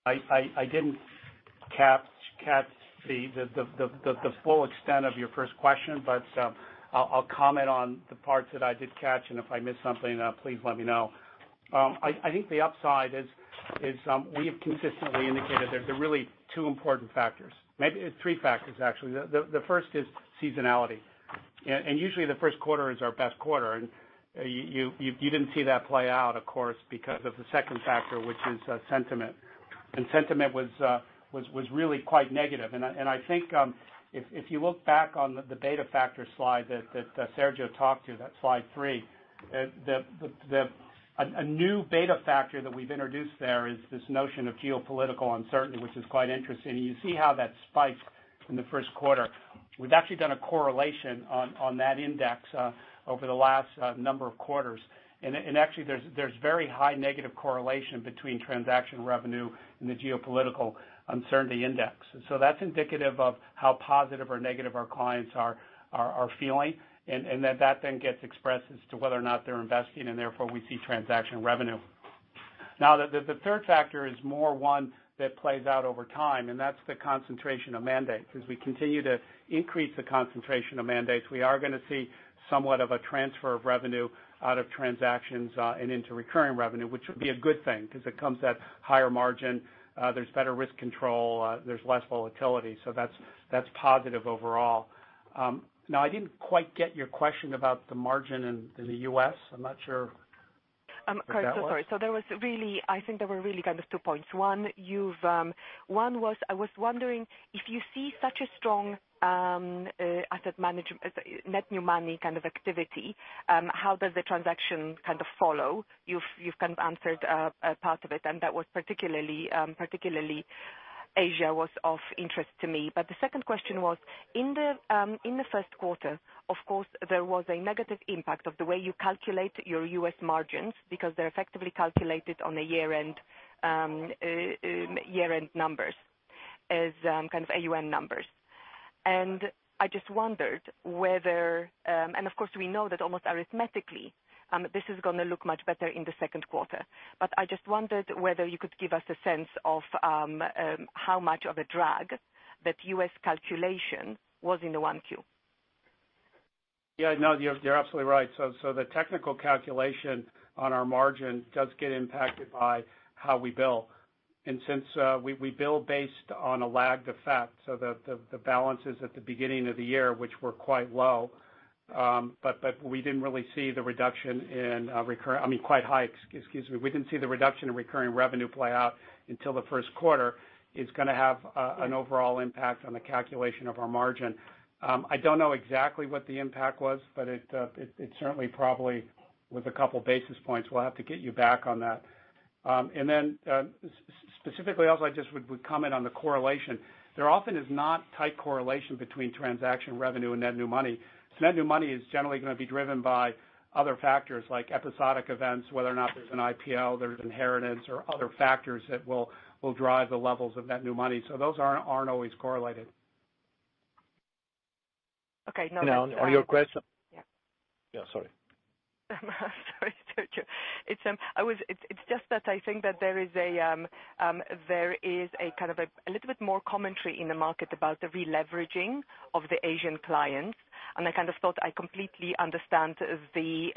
I didn't catch the full extent of your first question, I'll comment on the parts that I did catch, and if I miss something, please let me know. I think the upside is we have consistently indicated that there are really two important factors, maybe three factors, actually. The first is seasonality. Usually, the first quarter is our best quarter. You didn't see that play out, of course, because of the second factor, which is sentiment. Sentiment was really quite negative. I think if you look back on the beta factor slide that Sergio talked to, that slide three, a new beta factor that we've introduced there is this notion of geopolitical uncertainty, which is quite interesting. You see how that spiked in the first quarter. We've actually done a correlation on that index over the last number of quarters. There's very high negative correlation between transaction revenue and the geopolitical uncertainty index. That's indicative of how positive or negative our clients are feeling, and that then gets expressed as to whether or not they're investing, and therefore we see transaction revenue. The third factor is more one that plays out over time, and that's the concentration of mandates. As we continue to increase the concentration of mandates, we are going to see somewhat of a transfer of revenue out of transactions and into recurring revenue, which would be a good thing because it comes at higher margin, there's better risk control, there's less volatility. That's positive overall. I didn't quite get your question about the margin in the U.S. I'm not sure Kirt, sorry. I think there were really two points. One was, I was wondering if you see such a strong net new money kind of activity, how does the transaction kind of follow? You've kind of answered a part of it, and that was particularly Asia was of interest to me. The second question was, in the first quarter, of course, there was a negative impact of the way you calculate your U.S. margins because they're effectively calculated on a year-end numbers as kind of AUM numbers. Of course, we know that almost arithmetically, this is going to look much better in the second quarter. I just wondered whether you could give us a sense of how much of a drag that U.S. calculation was in the 1Q. Yeah, no, you're absolutely right. The technical calculation on our margin does get impacted by how we bill. Since we bill based on a lagged effect, the balances at the beginning of the year, which were quite low. I mean, quite high, excuse me. We didn't see the reduction in recurring revenue play out until the first quarter is going to have an overall impact on the calculation of our margin. I don't know exactly what the impact was, but it certainly probably was a couple basis points. We'll have to get you back on that. Specifically also, I just would comment on the correlation. There often is not tight correlation between transaction revenue and net new money. Net new money is generally going to be driven by other factors like episodic events, whether or not there's an IPO, there's inheritance, or other factors that will drive the levels of net new money. Those aren't always correlated. Okay. On your question. Yeah. Yeah, sorry. Sorry. It's just that I think that there is a little bit more commentary in the market about the releveraging of the Asian clients, I kind of thought I completely understand the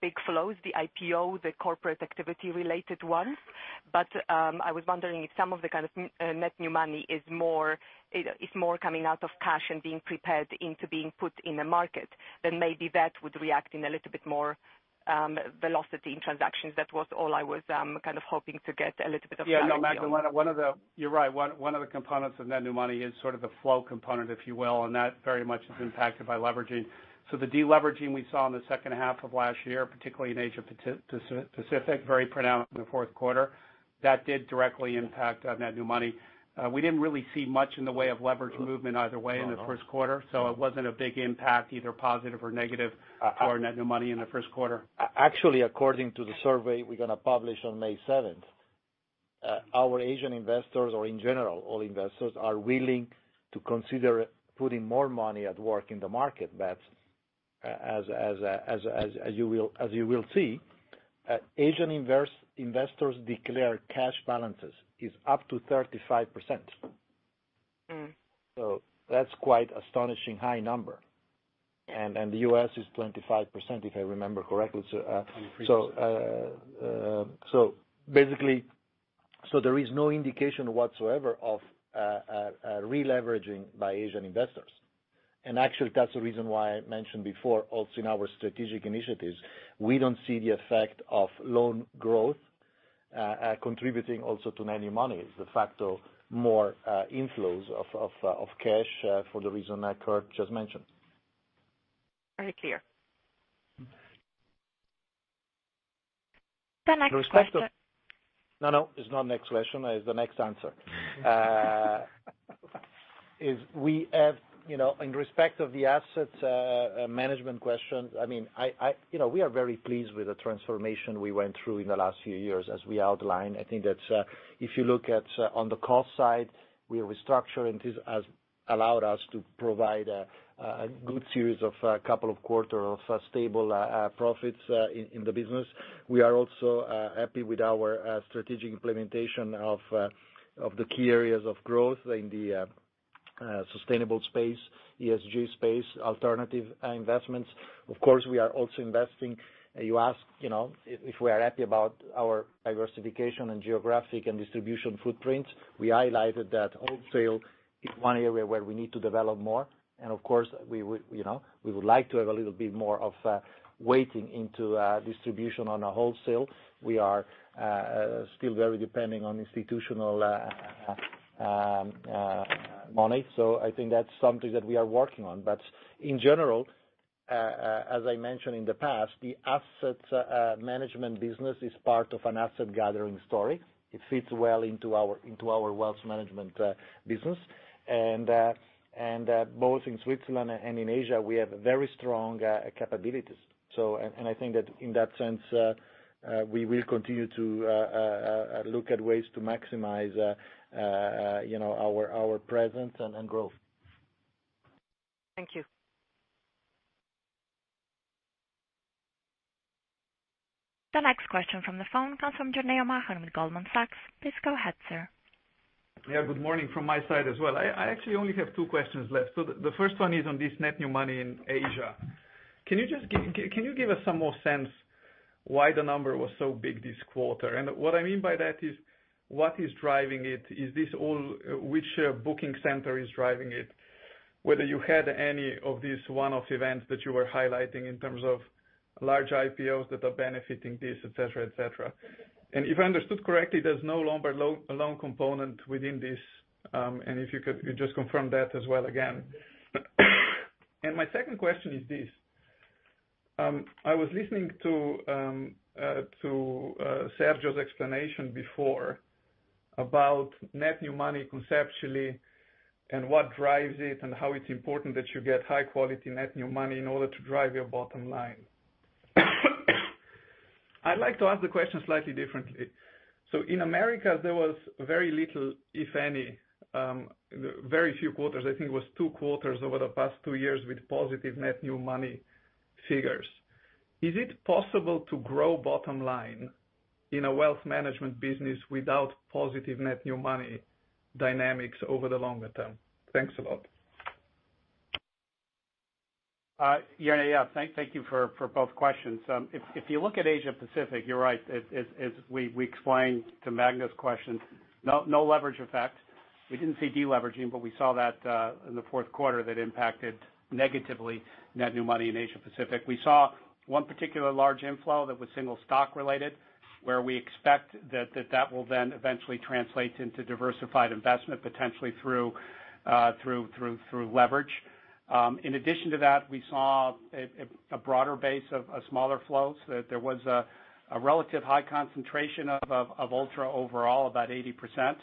big flows, the IPO, the corporate activity related ones. I was wondering if some of the kind of net new money is more coming out of cash and being prepared into being put in the market, maybe that would react in a little bit more velocity in transactions. That was all I was kind of hoping to get a little bit of clarity on. Magdalena, you're right. One of the components of net new money is sort of the flow component, if you will, and that very much is impacted by leveraging. The deleveraging we saw in the second half of last year, particularly in Asia-Pacific, very pronounced in the fourth quarter, that did directly impact net new money. We didn't really see much in the way of leverage movement either way in the first quarter, it wasn't a big impact either positive or negative for net new money in the first quarter. According to the survey we're going to publish on May 7th, our Asian investors or in general, all investors, are willing to consider putting more money at work in the market. But as you will see, Asian investors declare cash balances is up to 35%. That's quite astonishing high number. And the U.S. is 25%, if I remember correctly. Basically, there is no indication whatsoever of releveraging by Asian investors. And actually, that's the reason why I mentioned before also in our strategic initiatives, we don't see the effect of loan growth contributing also to net new money. It's the fact of more inflows of cash for the reason that Kirt just mentioned. Very clear. In respect of- The next question. No, it's not next question. It's the next answer. In respect of the Asset Management question, we are very pleased with the transformation we went through in the last few years as we outlined. I think that if you look at on the cost side, we are restructuring. This has allowed us to provide a good series of couple of quarter of stable profits in the business. We are also happy with our strategic implementation of the key areas of growth in the sustainable space, ESG space, alternative investments. Of course, we are also investing. You ask if we are happy about our diversification and geographic and distribution footprints. We highlighted that wholesale is one area where we need to develop more. Of course, we would like to have a little bit more of weighting into distribution on a wholesale. We are still very depending on institutional money. I think that's something that we are working on. In general, as I mentioned in the past, the Asset Management business is part of an asset-gathering story. It fits well into our Wealth Management business. Both in Switzerland and in Asia, we have very strong capabilities. I think that in that sense, we will continue to look at ways to maximize our presence and growth. Thank you. The next question from the phone comes from Jernej Omahen with Goldman Sachs. Please go ahead, sir. Good morning from my side as well. I actually only have two questions left. The first one is on this net new money in Asia. Can you give us some more sense why the number was so big this quarter? What I mean by that is what is driving it? Which booking center is driving it? Whether you had any of these one-off events that you were highlighting in terms of large IPOs that are benefiting this, et cetera. If I understood correctly, there is no longer a loan component within this, and if you could just confirm that as well again. My second question is this. I was listening to Sergio's explanation before about net new money conceptually and what drives it, and how it's important that you get high-quality net new money in order to drive your bottom line. I'd like to ask the question slightly differently. In America, there was very little, if any, very few quarters. I think it was two quarters over the past two years with positive net new money figures. Is it possible to grow bottom-line in a wealth management business without positive net new money dynamics over the longer term? Thanks a lot. Jernej, yeah. Thank you for both questions. If you look at Asia Pacific, you're right. As we explained to Magna's question, no leverage effect. We didn't see de-leveraging, but we saw that in the fourth quarter that impacted negatively net new money in Asia Pacific. We saw one particular large inflow that was single stock related, where we expect that will then eventually translate into diversified investment, potentially through leverage. In addition to that, we saw a broader base of smaller flows. There was a relative high concentration of Ultra overall, about 80%.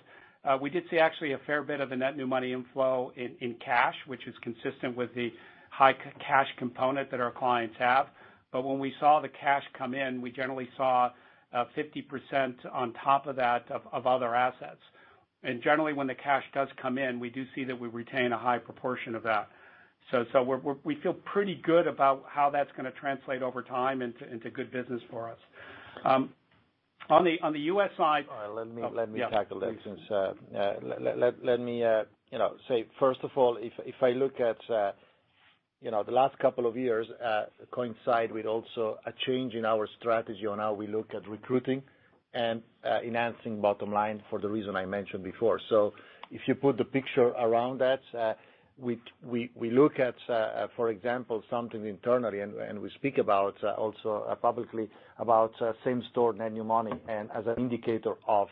We did see actually a fair bit of the net new money inflow in cash, which is consistent with the high cash component that our clients have. When we saw the cash come in, we generally saw 50% on top of that of other assets. Generally, when the cash does come in, we do see that we retain a high proportion of that. We feel pretty good about how that's going to translate over time into good business for us. On the U.S. side- All right. Let me tackle this. Yeah, please. Let me say, first of all, if I look at the last couple of years coincide with also a change in our strategy on how we look at recruiting and enhancing bottom line for the reason I mentioned before. If you put the picture around that, we look at for example, something internally, and we speak about also publicly about same-store net new money and as an indicator of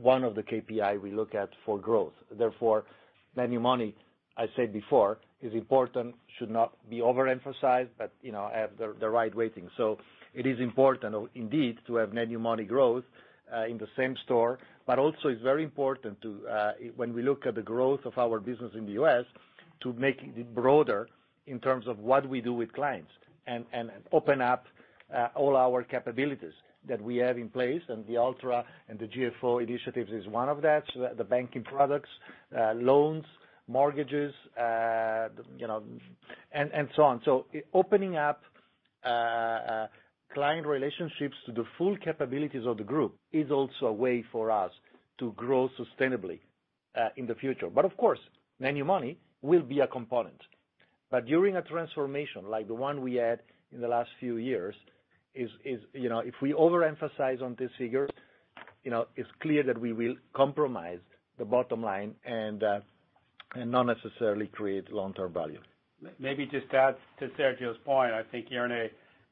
one of the KPI we look at for growth. Net new money, I said before, is important, should not be overemphasized, but have the right weighting. It is important indeed to have net new money growth in the same store, but also it's very important, when we look at the growth of our business in the U.S., to make it broader in terms of what we do with clients, and open up all our capabilities that we have in place, and the Ultra and the GFO initiatives is one of that. The banking products, loans, mortgages, and so on. Opening up client relationships to the full capabilities of the group is also a way for us to grow sustainably in the future. Of course, net new money will be a component. During a transformation like the one we had in the last few years is, if we overemphasize on this figure, it's clear that we will compromise the bottom line and not necessarily create long-term value. Maybe just to add to Sergio's point, I think, Jernej,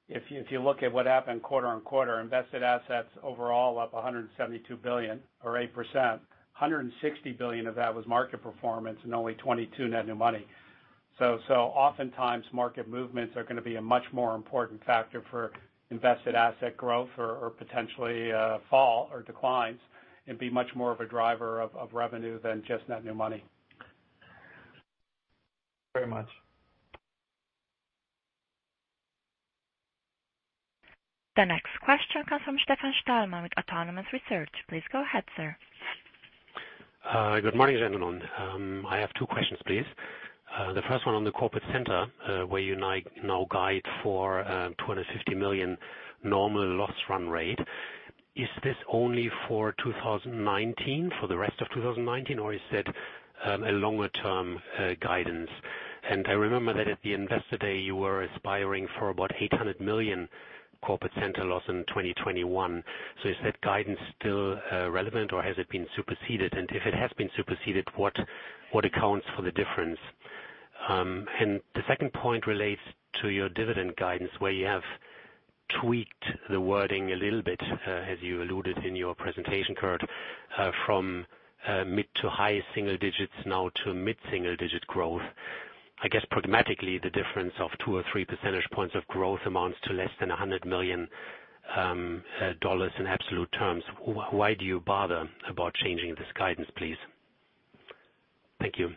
if you look at what happened quarter-on-quarter, invested assets overall up 172 billion or 8%, 160 billion of that was market performance and only 22 billion net new money. Oftentimes market movements are going to be a much more important factor for invested asset growth or potentially fall or declines and be much more of a driver of revenue than just net new money. Thank you very much. The next question comes from Stefan Stalmann with Autonomous Research. Please go ahead, sir. Good morning, gentlemen. I have two questions, please. The first one on the Corporate Center, where you now guide for 250 million normal loss run rate. Is this only for 2019, for the rest of 2019, or is it a longer-term guidance? I remember that at the Investor Day, you were aspiring for about 800 million Corporate Center loss in 2021. Is that guidance still relevant or has it been superseded? If it has been superseded, what accounts for the difference? The second point relates to your dividend guidance, where you have tweaked the wording a little bit, as you alluded in your presentation, Kirt, from mid to high single digits now to mid-single digit growth. I guess pragmatically, the difference of two or three percentage points of growth amounts to less than CHF 100 million in absolute terms. Why do you bother about changing this guidance, please? Thank you.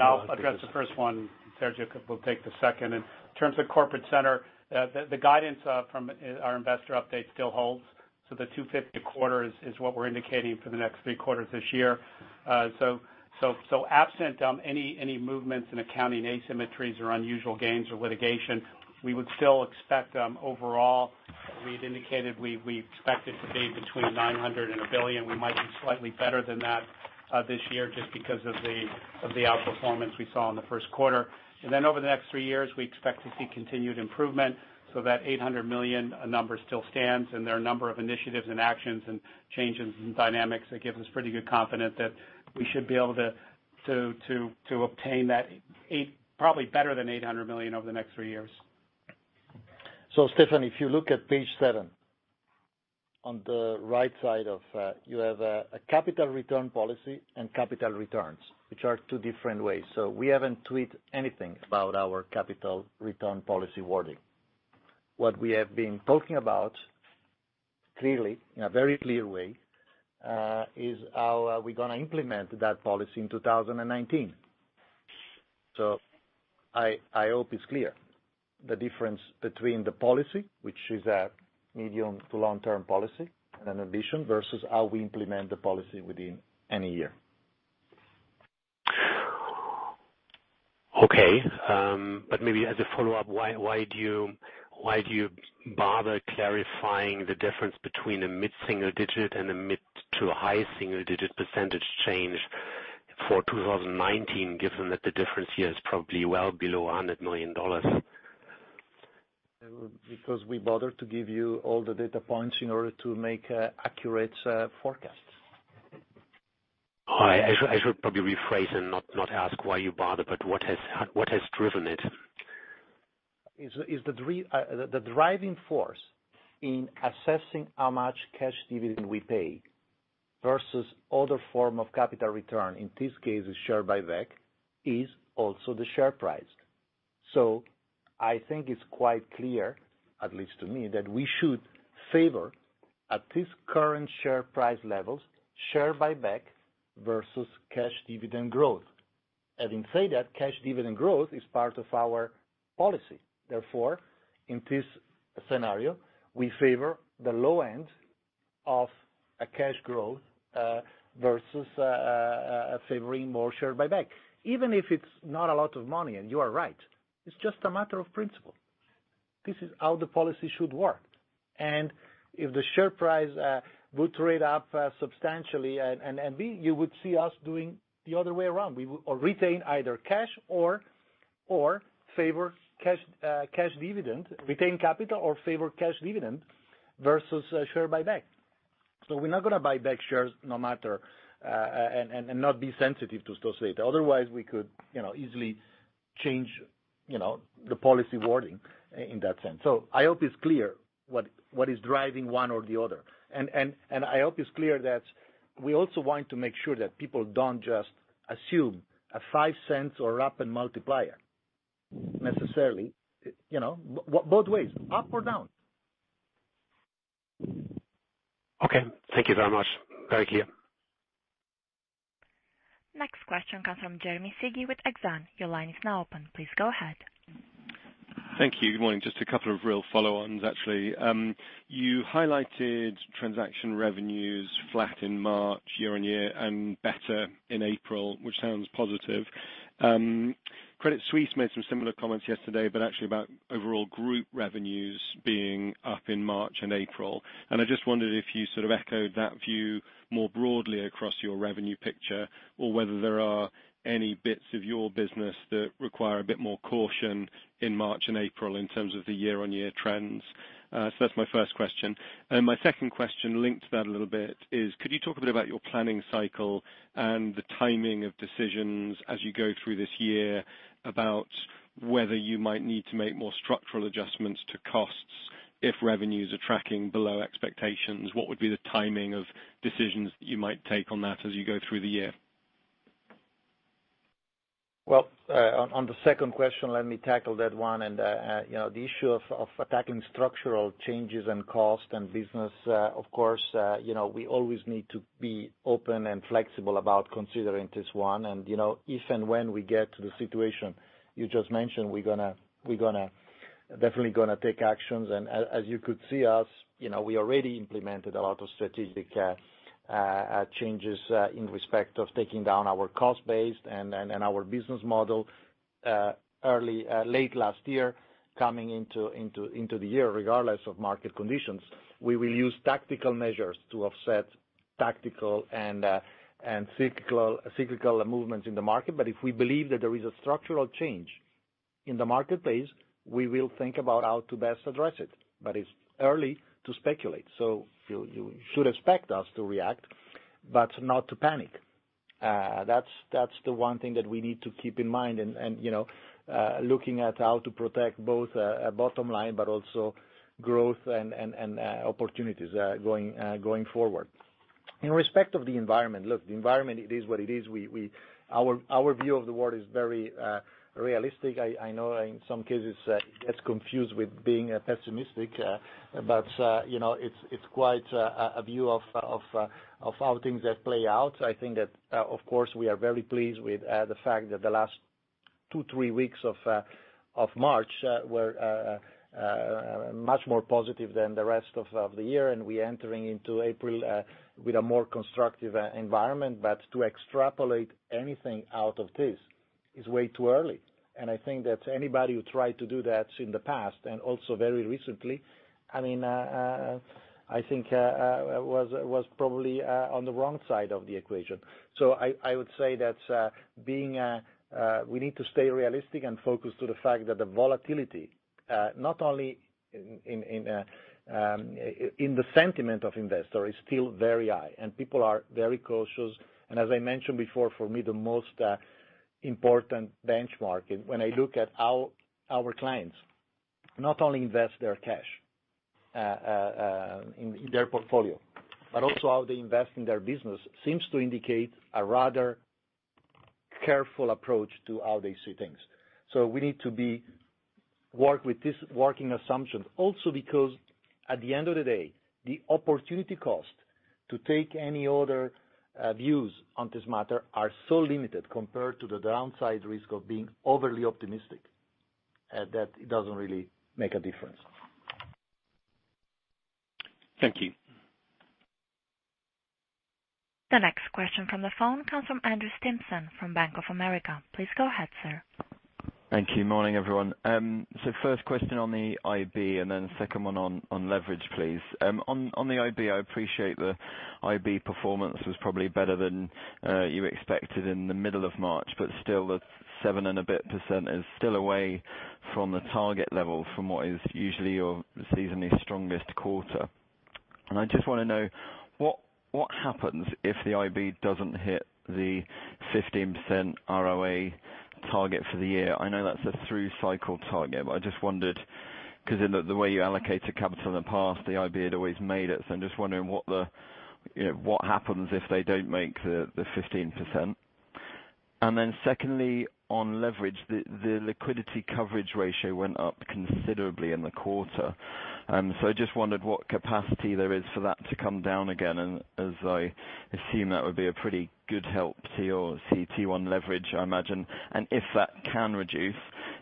I'll address the first one. Sergio will take the second. In terms of Corporate Center, the guidance from our investor update still holds. The 250 quarter is what we're indicating for the next three quarters this year. Absent any movements in accounting asymmetries or unusual gains or litigation, we would still expect, overall, we had indicated we expected to be between 900 million and 1 billion. We might do slightly better than that this year just because of the outperformance we saw in the first quarter. Over the next three years, we expect to see continued improvement, so that 800 million number still stands, and there are a number of initiatives and actions and changes in dynamics that give us pretty good confidence that we should be able to obtain that probably better than 800 million over the next three years. Stefan, if you look at page seven, on the right side, you have a capital return policy and capital returns, which are two different ways. We haven't tweaked anything about our capital return policy wording. What we have been talking about clearly, in a very clear way, is how are we going to implement that policy in 2019. I hope it's clear, the difference between the policy, which is a medium to long-term policy, and an ambition versus how we implement the policy within any year. Okay. Maybe as a follow-up, why do you bother clarifying the difference between a mid-single digit and a mid to high single digit % change for 2019, given that the difference here is probably well below $100 million? We bother to give you all the data points in order to make accurate forecasts. I should probably rephrase and not ask why you bother, but what has driven it? The driving force in assessing how much cash dividend we pay versus other form of capital return, in this case a share buyback, is also the share price. I think it's quite clear, at least to me, that we should favor, at this current share price levels, share buyback versus cash dividend growth. Having said that, cash dividend growth is part of our policy. In this scenario, we favor the low end of a cash growth, versus favoring more share buyback. Even if it's not a lot of money, and you are right, it's just a matter of principle. This is how the policy should work. If the share price would trade up substantially, and B, you would see us doing the other way around. We will retain either cash or favor cash dividend, retain capital or favor cash dividend versus share buyback. We're not going to buy back shares no matter, and not be sensitive to stock rate. Otherwise, we could easily change the policy wording in that sense. I hope it's clear what is driving one or the other. I hope it's clear that we also want to make sure that people don't just assume a 0.05 or up in multiplier necessarily, both ways, up or down. Okay. Thank you very much. Very clear. Next question comes from Jeremy Sigee with Exane. Your line is now open. Please go ahead. Thank you. Good morning. Just a couple of real follow-ons, actually. You highlighted transaction revenues flat in March year-on-year and better in April, which sounds positive. Credit Suisse made some similar comments yesterday, actually about overall group revenues being up in March and April. I just wondered if you sort of echoed that view more broadly across your revenue picture or whether there are any bits of your business that require a bit more caution in March and April in terms of the year-on-year trends. That's my first question. My second question linked to that a little bit is, could you talk a bit about your planning cycle and the timing of decisions as you go through this year about whether you might need to make more structural adjustments to costs if revenues are tracking below expectations? What would be the timing of decisions that you might take on that as you go through the year? Well, on the second question, let me tackle that one. The issue of attacking structural changes and cost and business, of course, we always need to be open and flexible about considering this one. If and when we get to the situation you just mentioned, we're definitely going to take actions. As you could see us, we already implemented a lot of strategic changes in respect of taking down our cost base and our business model late last year, coming into the year, regardless of market conditions. We will use tactical measures to offset tactical and cyclical movements in the market. If we believe that there is a structural change in the marketplace, we will think about how to best address it. It's early to speculate. You should expect us to react, but not to panic. That's the one thing that we need to keep in mind and looking at how to protect both bottom line, but also growth and opportunities going forward. In respect of the environment, look, the environment, it is what it is. Our view of the world is very realistic. I know in some cases it gets confused with being pessimistic, but it's quite a view of how things play out. I think that, of course, we are very pleased with the fact that the last two, three weeks of March were much more positive than the rest of the year, and we entering into April with a more constructive environment. To extrapolate anything out of this is way too early. I think that anybody who tried to do that in the past, and also very recently, I think was probably on the wrong side of the equation. I would say that we need to stay realistic and focused to the fact that the volatility, not only in the sentiment of investor, is still very high and people are very cautious. As I mentioned before, for me, the most important benchmark. When I look at how our clients not only invest their cash in their portfolio, but also how they invest in their business, seems to indicate a rather careful approach to how they see things. We need to work with this working assumption. Also because at the end of the day, the opportunity cost to take any other views on this matter are so limited compared to the downside risk of being overly optimistic, that it doesn't really make a difference. Thank you. The next question from the phone comes from Andrew Stimpson from Bank of America. Please go ahead, sir. Thank you. Morning, everyone. First question on the IB, then second one on leverage, please. On the IB, I appreciate the IB performance was probably better than you expected in the middle of March, but still the seven and a bit % is still away from the target level from what is usually your seasonally strongest quarter. I just want to know, what happens if the IB doesn't hit the 15% ROA target for the year? I know that's a through-cycle target, but I just wondered because in the way you allocated capital in the past, the IB had always made it. I'm just wondering what happens if they don't make the 15%. Then secondly, on leverage, the liquidity coverage ratio went up considerably in the quarter. I just wondered what capacity there is for that to come down again, as I assume that would be a pretty good help to your CET1 leverage, I imagine. If that can reduce,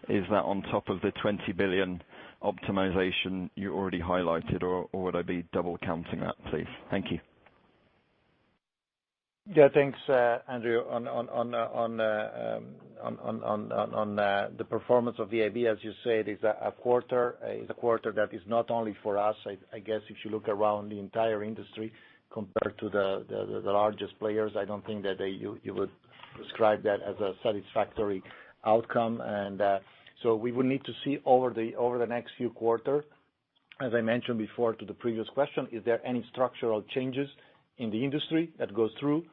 is that on top of the 20 billion optimization you already highlighted, or would I be double counting that, please? Thank you. Yeah, thanks, Andrew. On the performance of the IB, as you said, is a quarter that is not only for us. I guess if you look around the entire industry, compared to the largest players, I don't think that you would describe that as a satisfactory outcome. We will need to see over the next few quarters, as I mentioned before to the previous question, is there any structural changes in the industry that goes through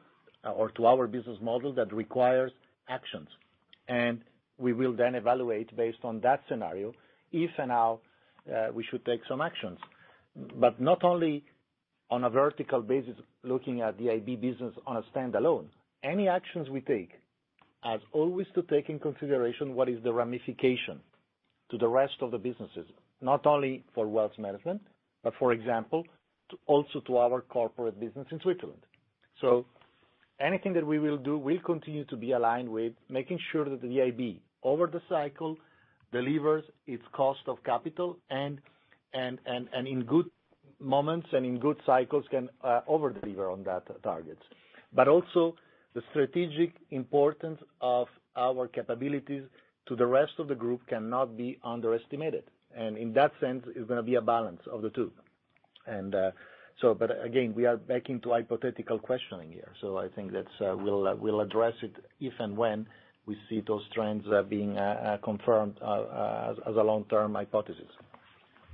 or to our business model that requires actions. We will then evaluate based on that scenario if and how we should take some actions. Not only on a vertical basis, looking at the IB business on a standalone. Any actions we take has always to take in consideration what is the ramification to the rest of the businesses. Not only for Wealth Management, but, for example, also to our Corporate business in Switzerland. Anything that we will do will continue to be aligned with making sure that the IB, over the cycle, delivers its cost of capital, and in good moments and in good cycles can over-deliver on that target. Also the strategic importance of our capabilities to the rest of the group cannot be underestimated. In that sense, it's going to be a balance of the two. Again, we are back into hypothetical questioning here, so I think that we'll address it if and when we see those trends being confirmed as a long-term hypothesis.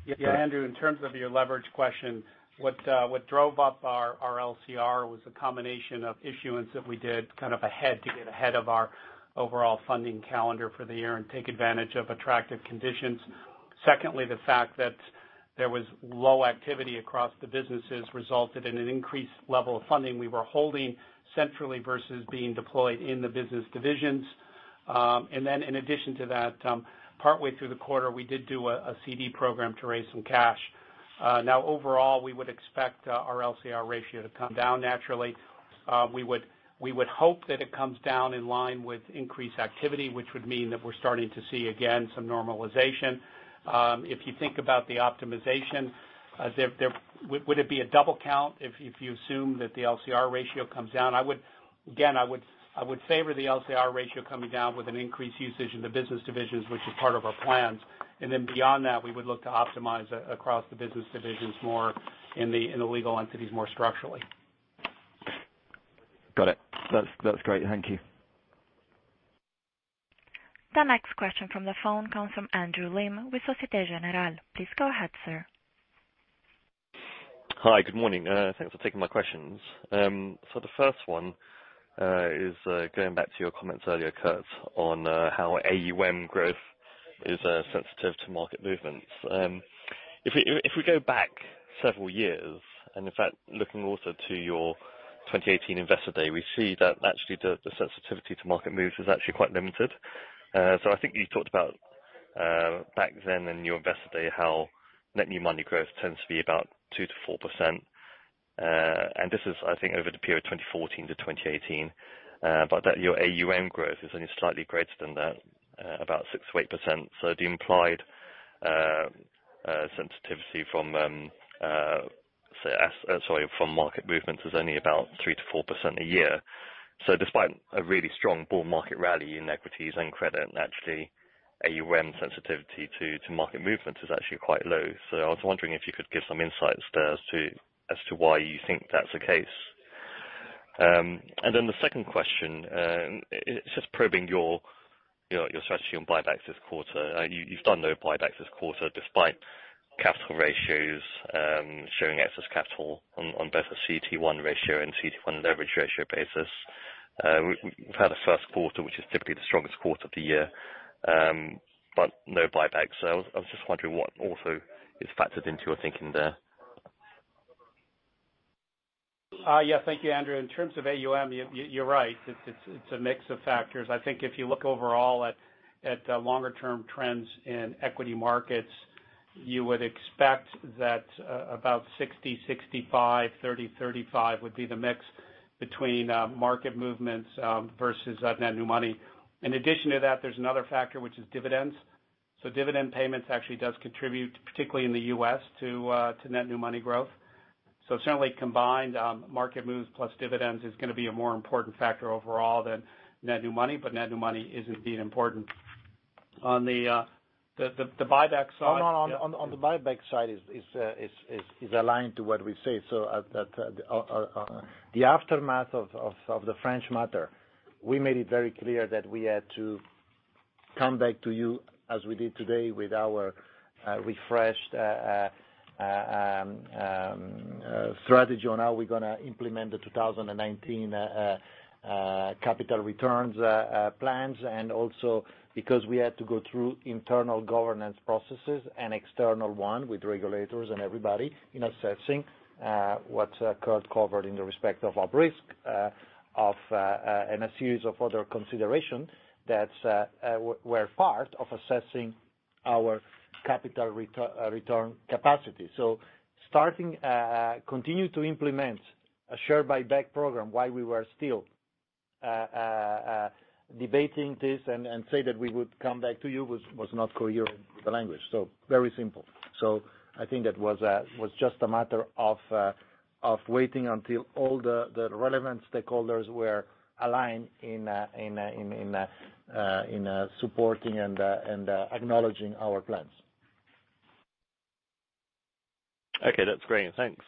Yeah, Andrew, in terms of your leverage question, what drove up our LCR was a combination of issuance that we did ahead to get ahead of our overall funding calendar for the year and take advantage of attractive conditions. Secondly, the fact that there was low activity across the businesses resulted in an increased level of funding we were holding centrally versus being deployed in the business divisions. In addition to that, partway through the quarter, we did do a CD program to raise some cash. Overall, we would expect our LCR ratio to come down naturally. We would hope that it comes down in line with increased activity, which would mean that we're starting to see again some normalization. If you think about the optimization, would it be a double count if you assume that the LCR ratio comes down? I would favor the LCR ratio coming down with an increased usage in the business divisions, which is part of our plans. Beyond that, we would look to optimize across the business divisions more in the legal entities more structurally. Got it. That's great. Thank you. The next question from the phone comes from Andrew Lim with Societe Generale. Please go ahead, sir. Hi. Good morning. Thanks for taking my questions. The first one is going back to your comments earlier, Kirt, on how AUM growth is sensitive to market movements. If we go back several years, and in fact, looking also to your 2018 Investor Day, we see that actually the sensitivity to market moves is actually quite limited. I think you talked about back then in your Investor Day, how net new money growth tends to be about 2%-4%. This is, I think, over the period 2014 to 2018, but that your AUM growth is only slightly greater than that, about 6%-8%. The implied sensitivity from market movements is only about 3%-4% a year. Despite a really strong bull market rally in equities and credit, actually, AUM sensitivity to market movement is actually quite low. I was wondering if you could give some insights there as to why you think that's the case. The second question, it's just probing your strategy on buybacks this quarter. You've done no buybacks this quarter despite capital ratios showing excess capital on both a CET1 ratio and CET1 leverage ratio basis. We've had a first quarter, which is typically the strongest quarter of the year, but no buybacks. I was just wondering what also is factored into your thinking there. Thank you, Andrew. In terms of AUM, you're right. It's a mix of factors. I think if you look overall at longer term trends in equity markets, you would expect that about 60/65, 30/35 would be the mix between market movements versus net new money. In addition to that, there's another factor, which is dividends. Dividend payments actually does contribute, particularly in the U.S., to net new money growth. Certainly combined, market moves plus dividends is going to be a more important factor overall than net new money. Net new money is indeed important. On the buyback side- On the buyback side is aligned to what we say. The aftermath of the French matter, we made it very clear that we had to come back to you as we did today with our refreshed strategy on how we're going to implement the 2019 capital returns plans. Also because we had to go through internal governance processes and external one with regulators and everybody in assessing what Kirt covered in the respect of our risk, and a series of other considerations that were part of assessing our capital return capacity. Starting, continue to implement a share buyback program while we were still debating this and say that we would come back to you was not coherent with the language. Very simple. I think that was just a matter of waiting until all the relevant stakeholders were aligned in supporting and acknowledging our plans. Okay, that's great. Thanks.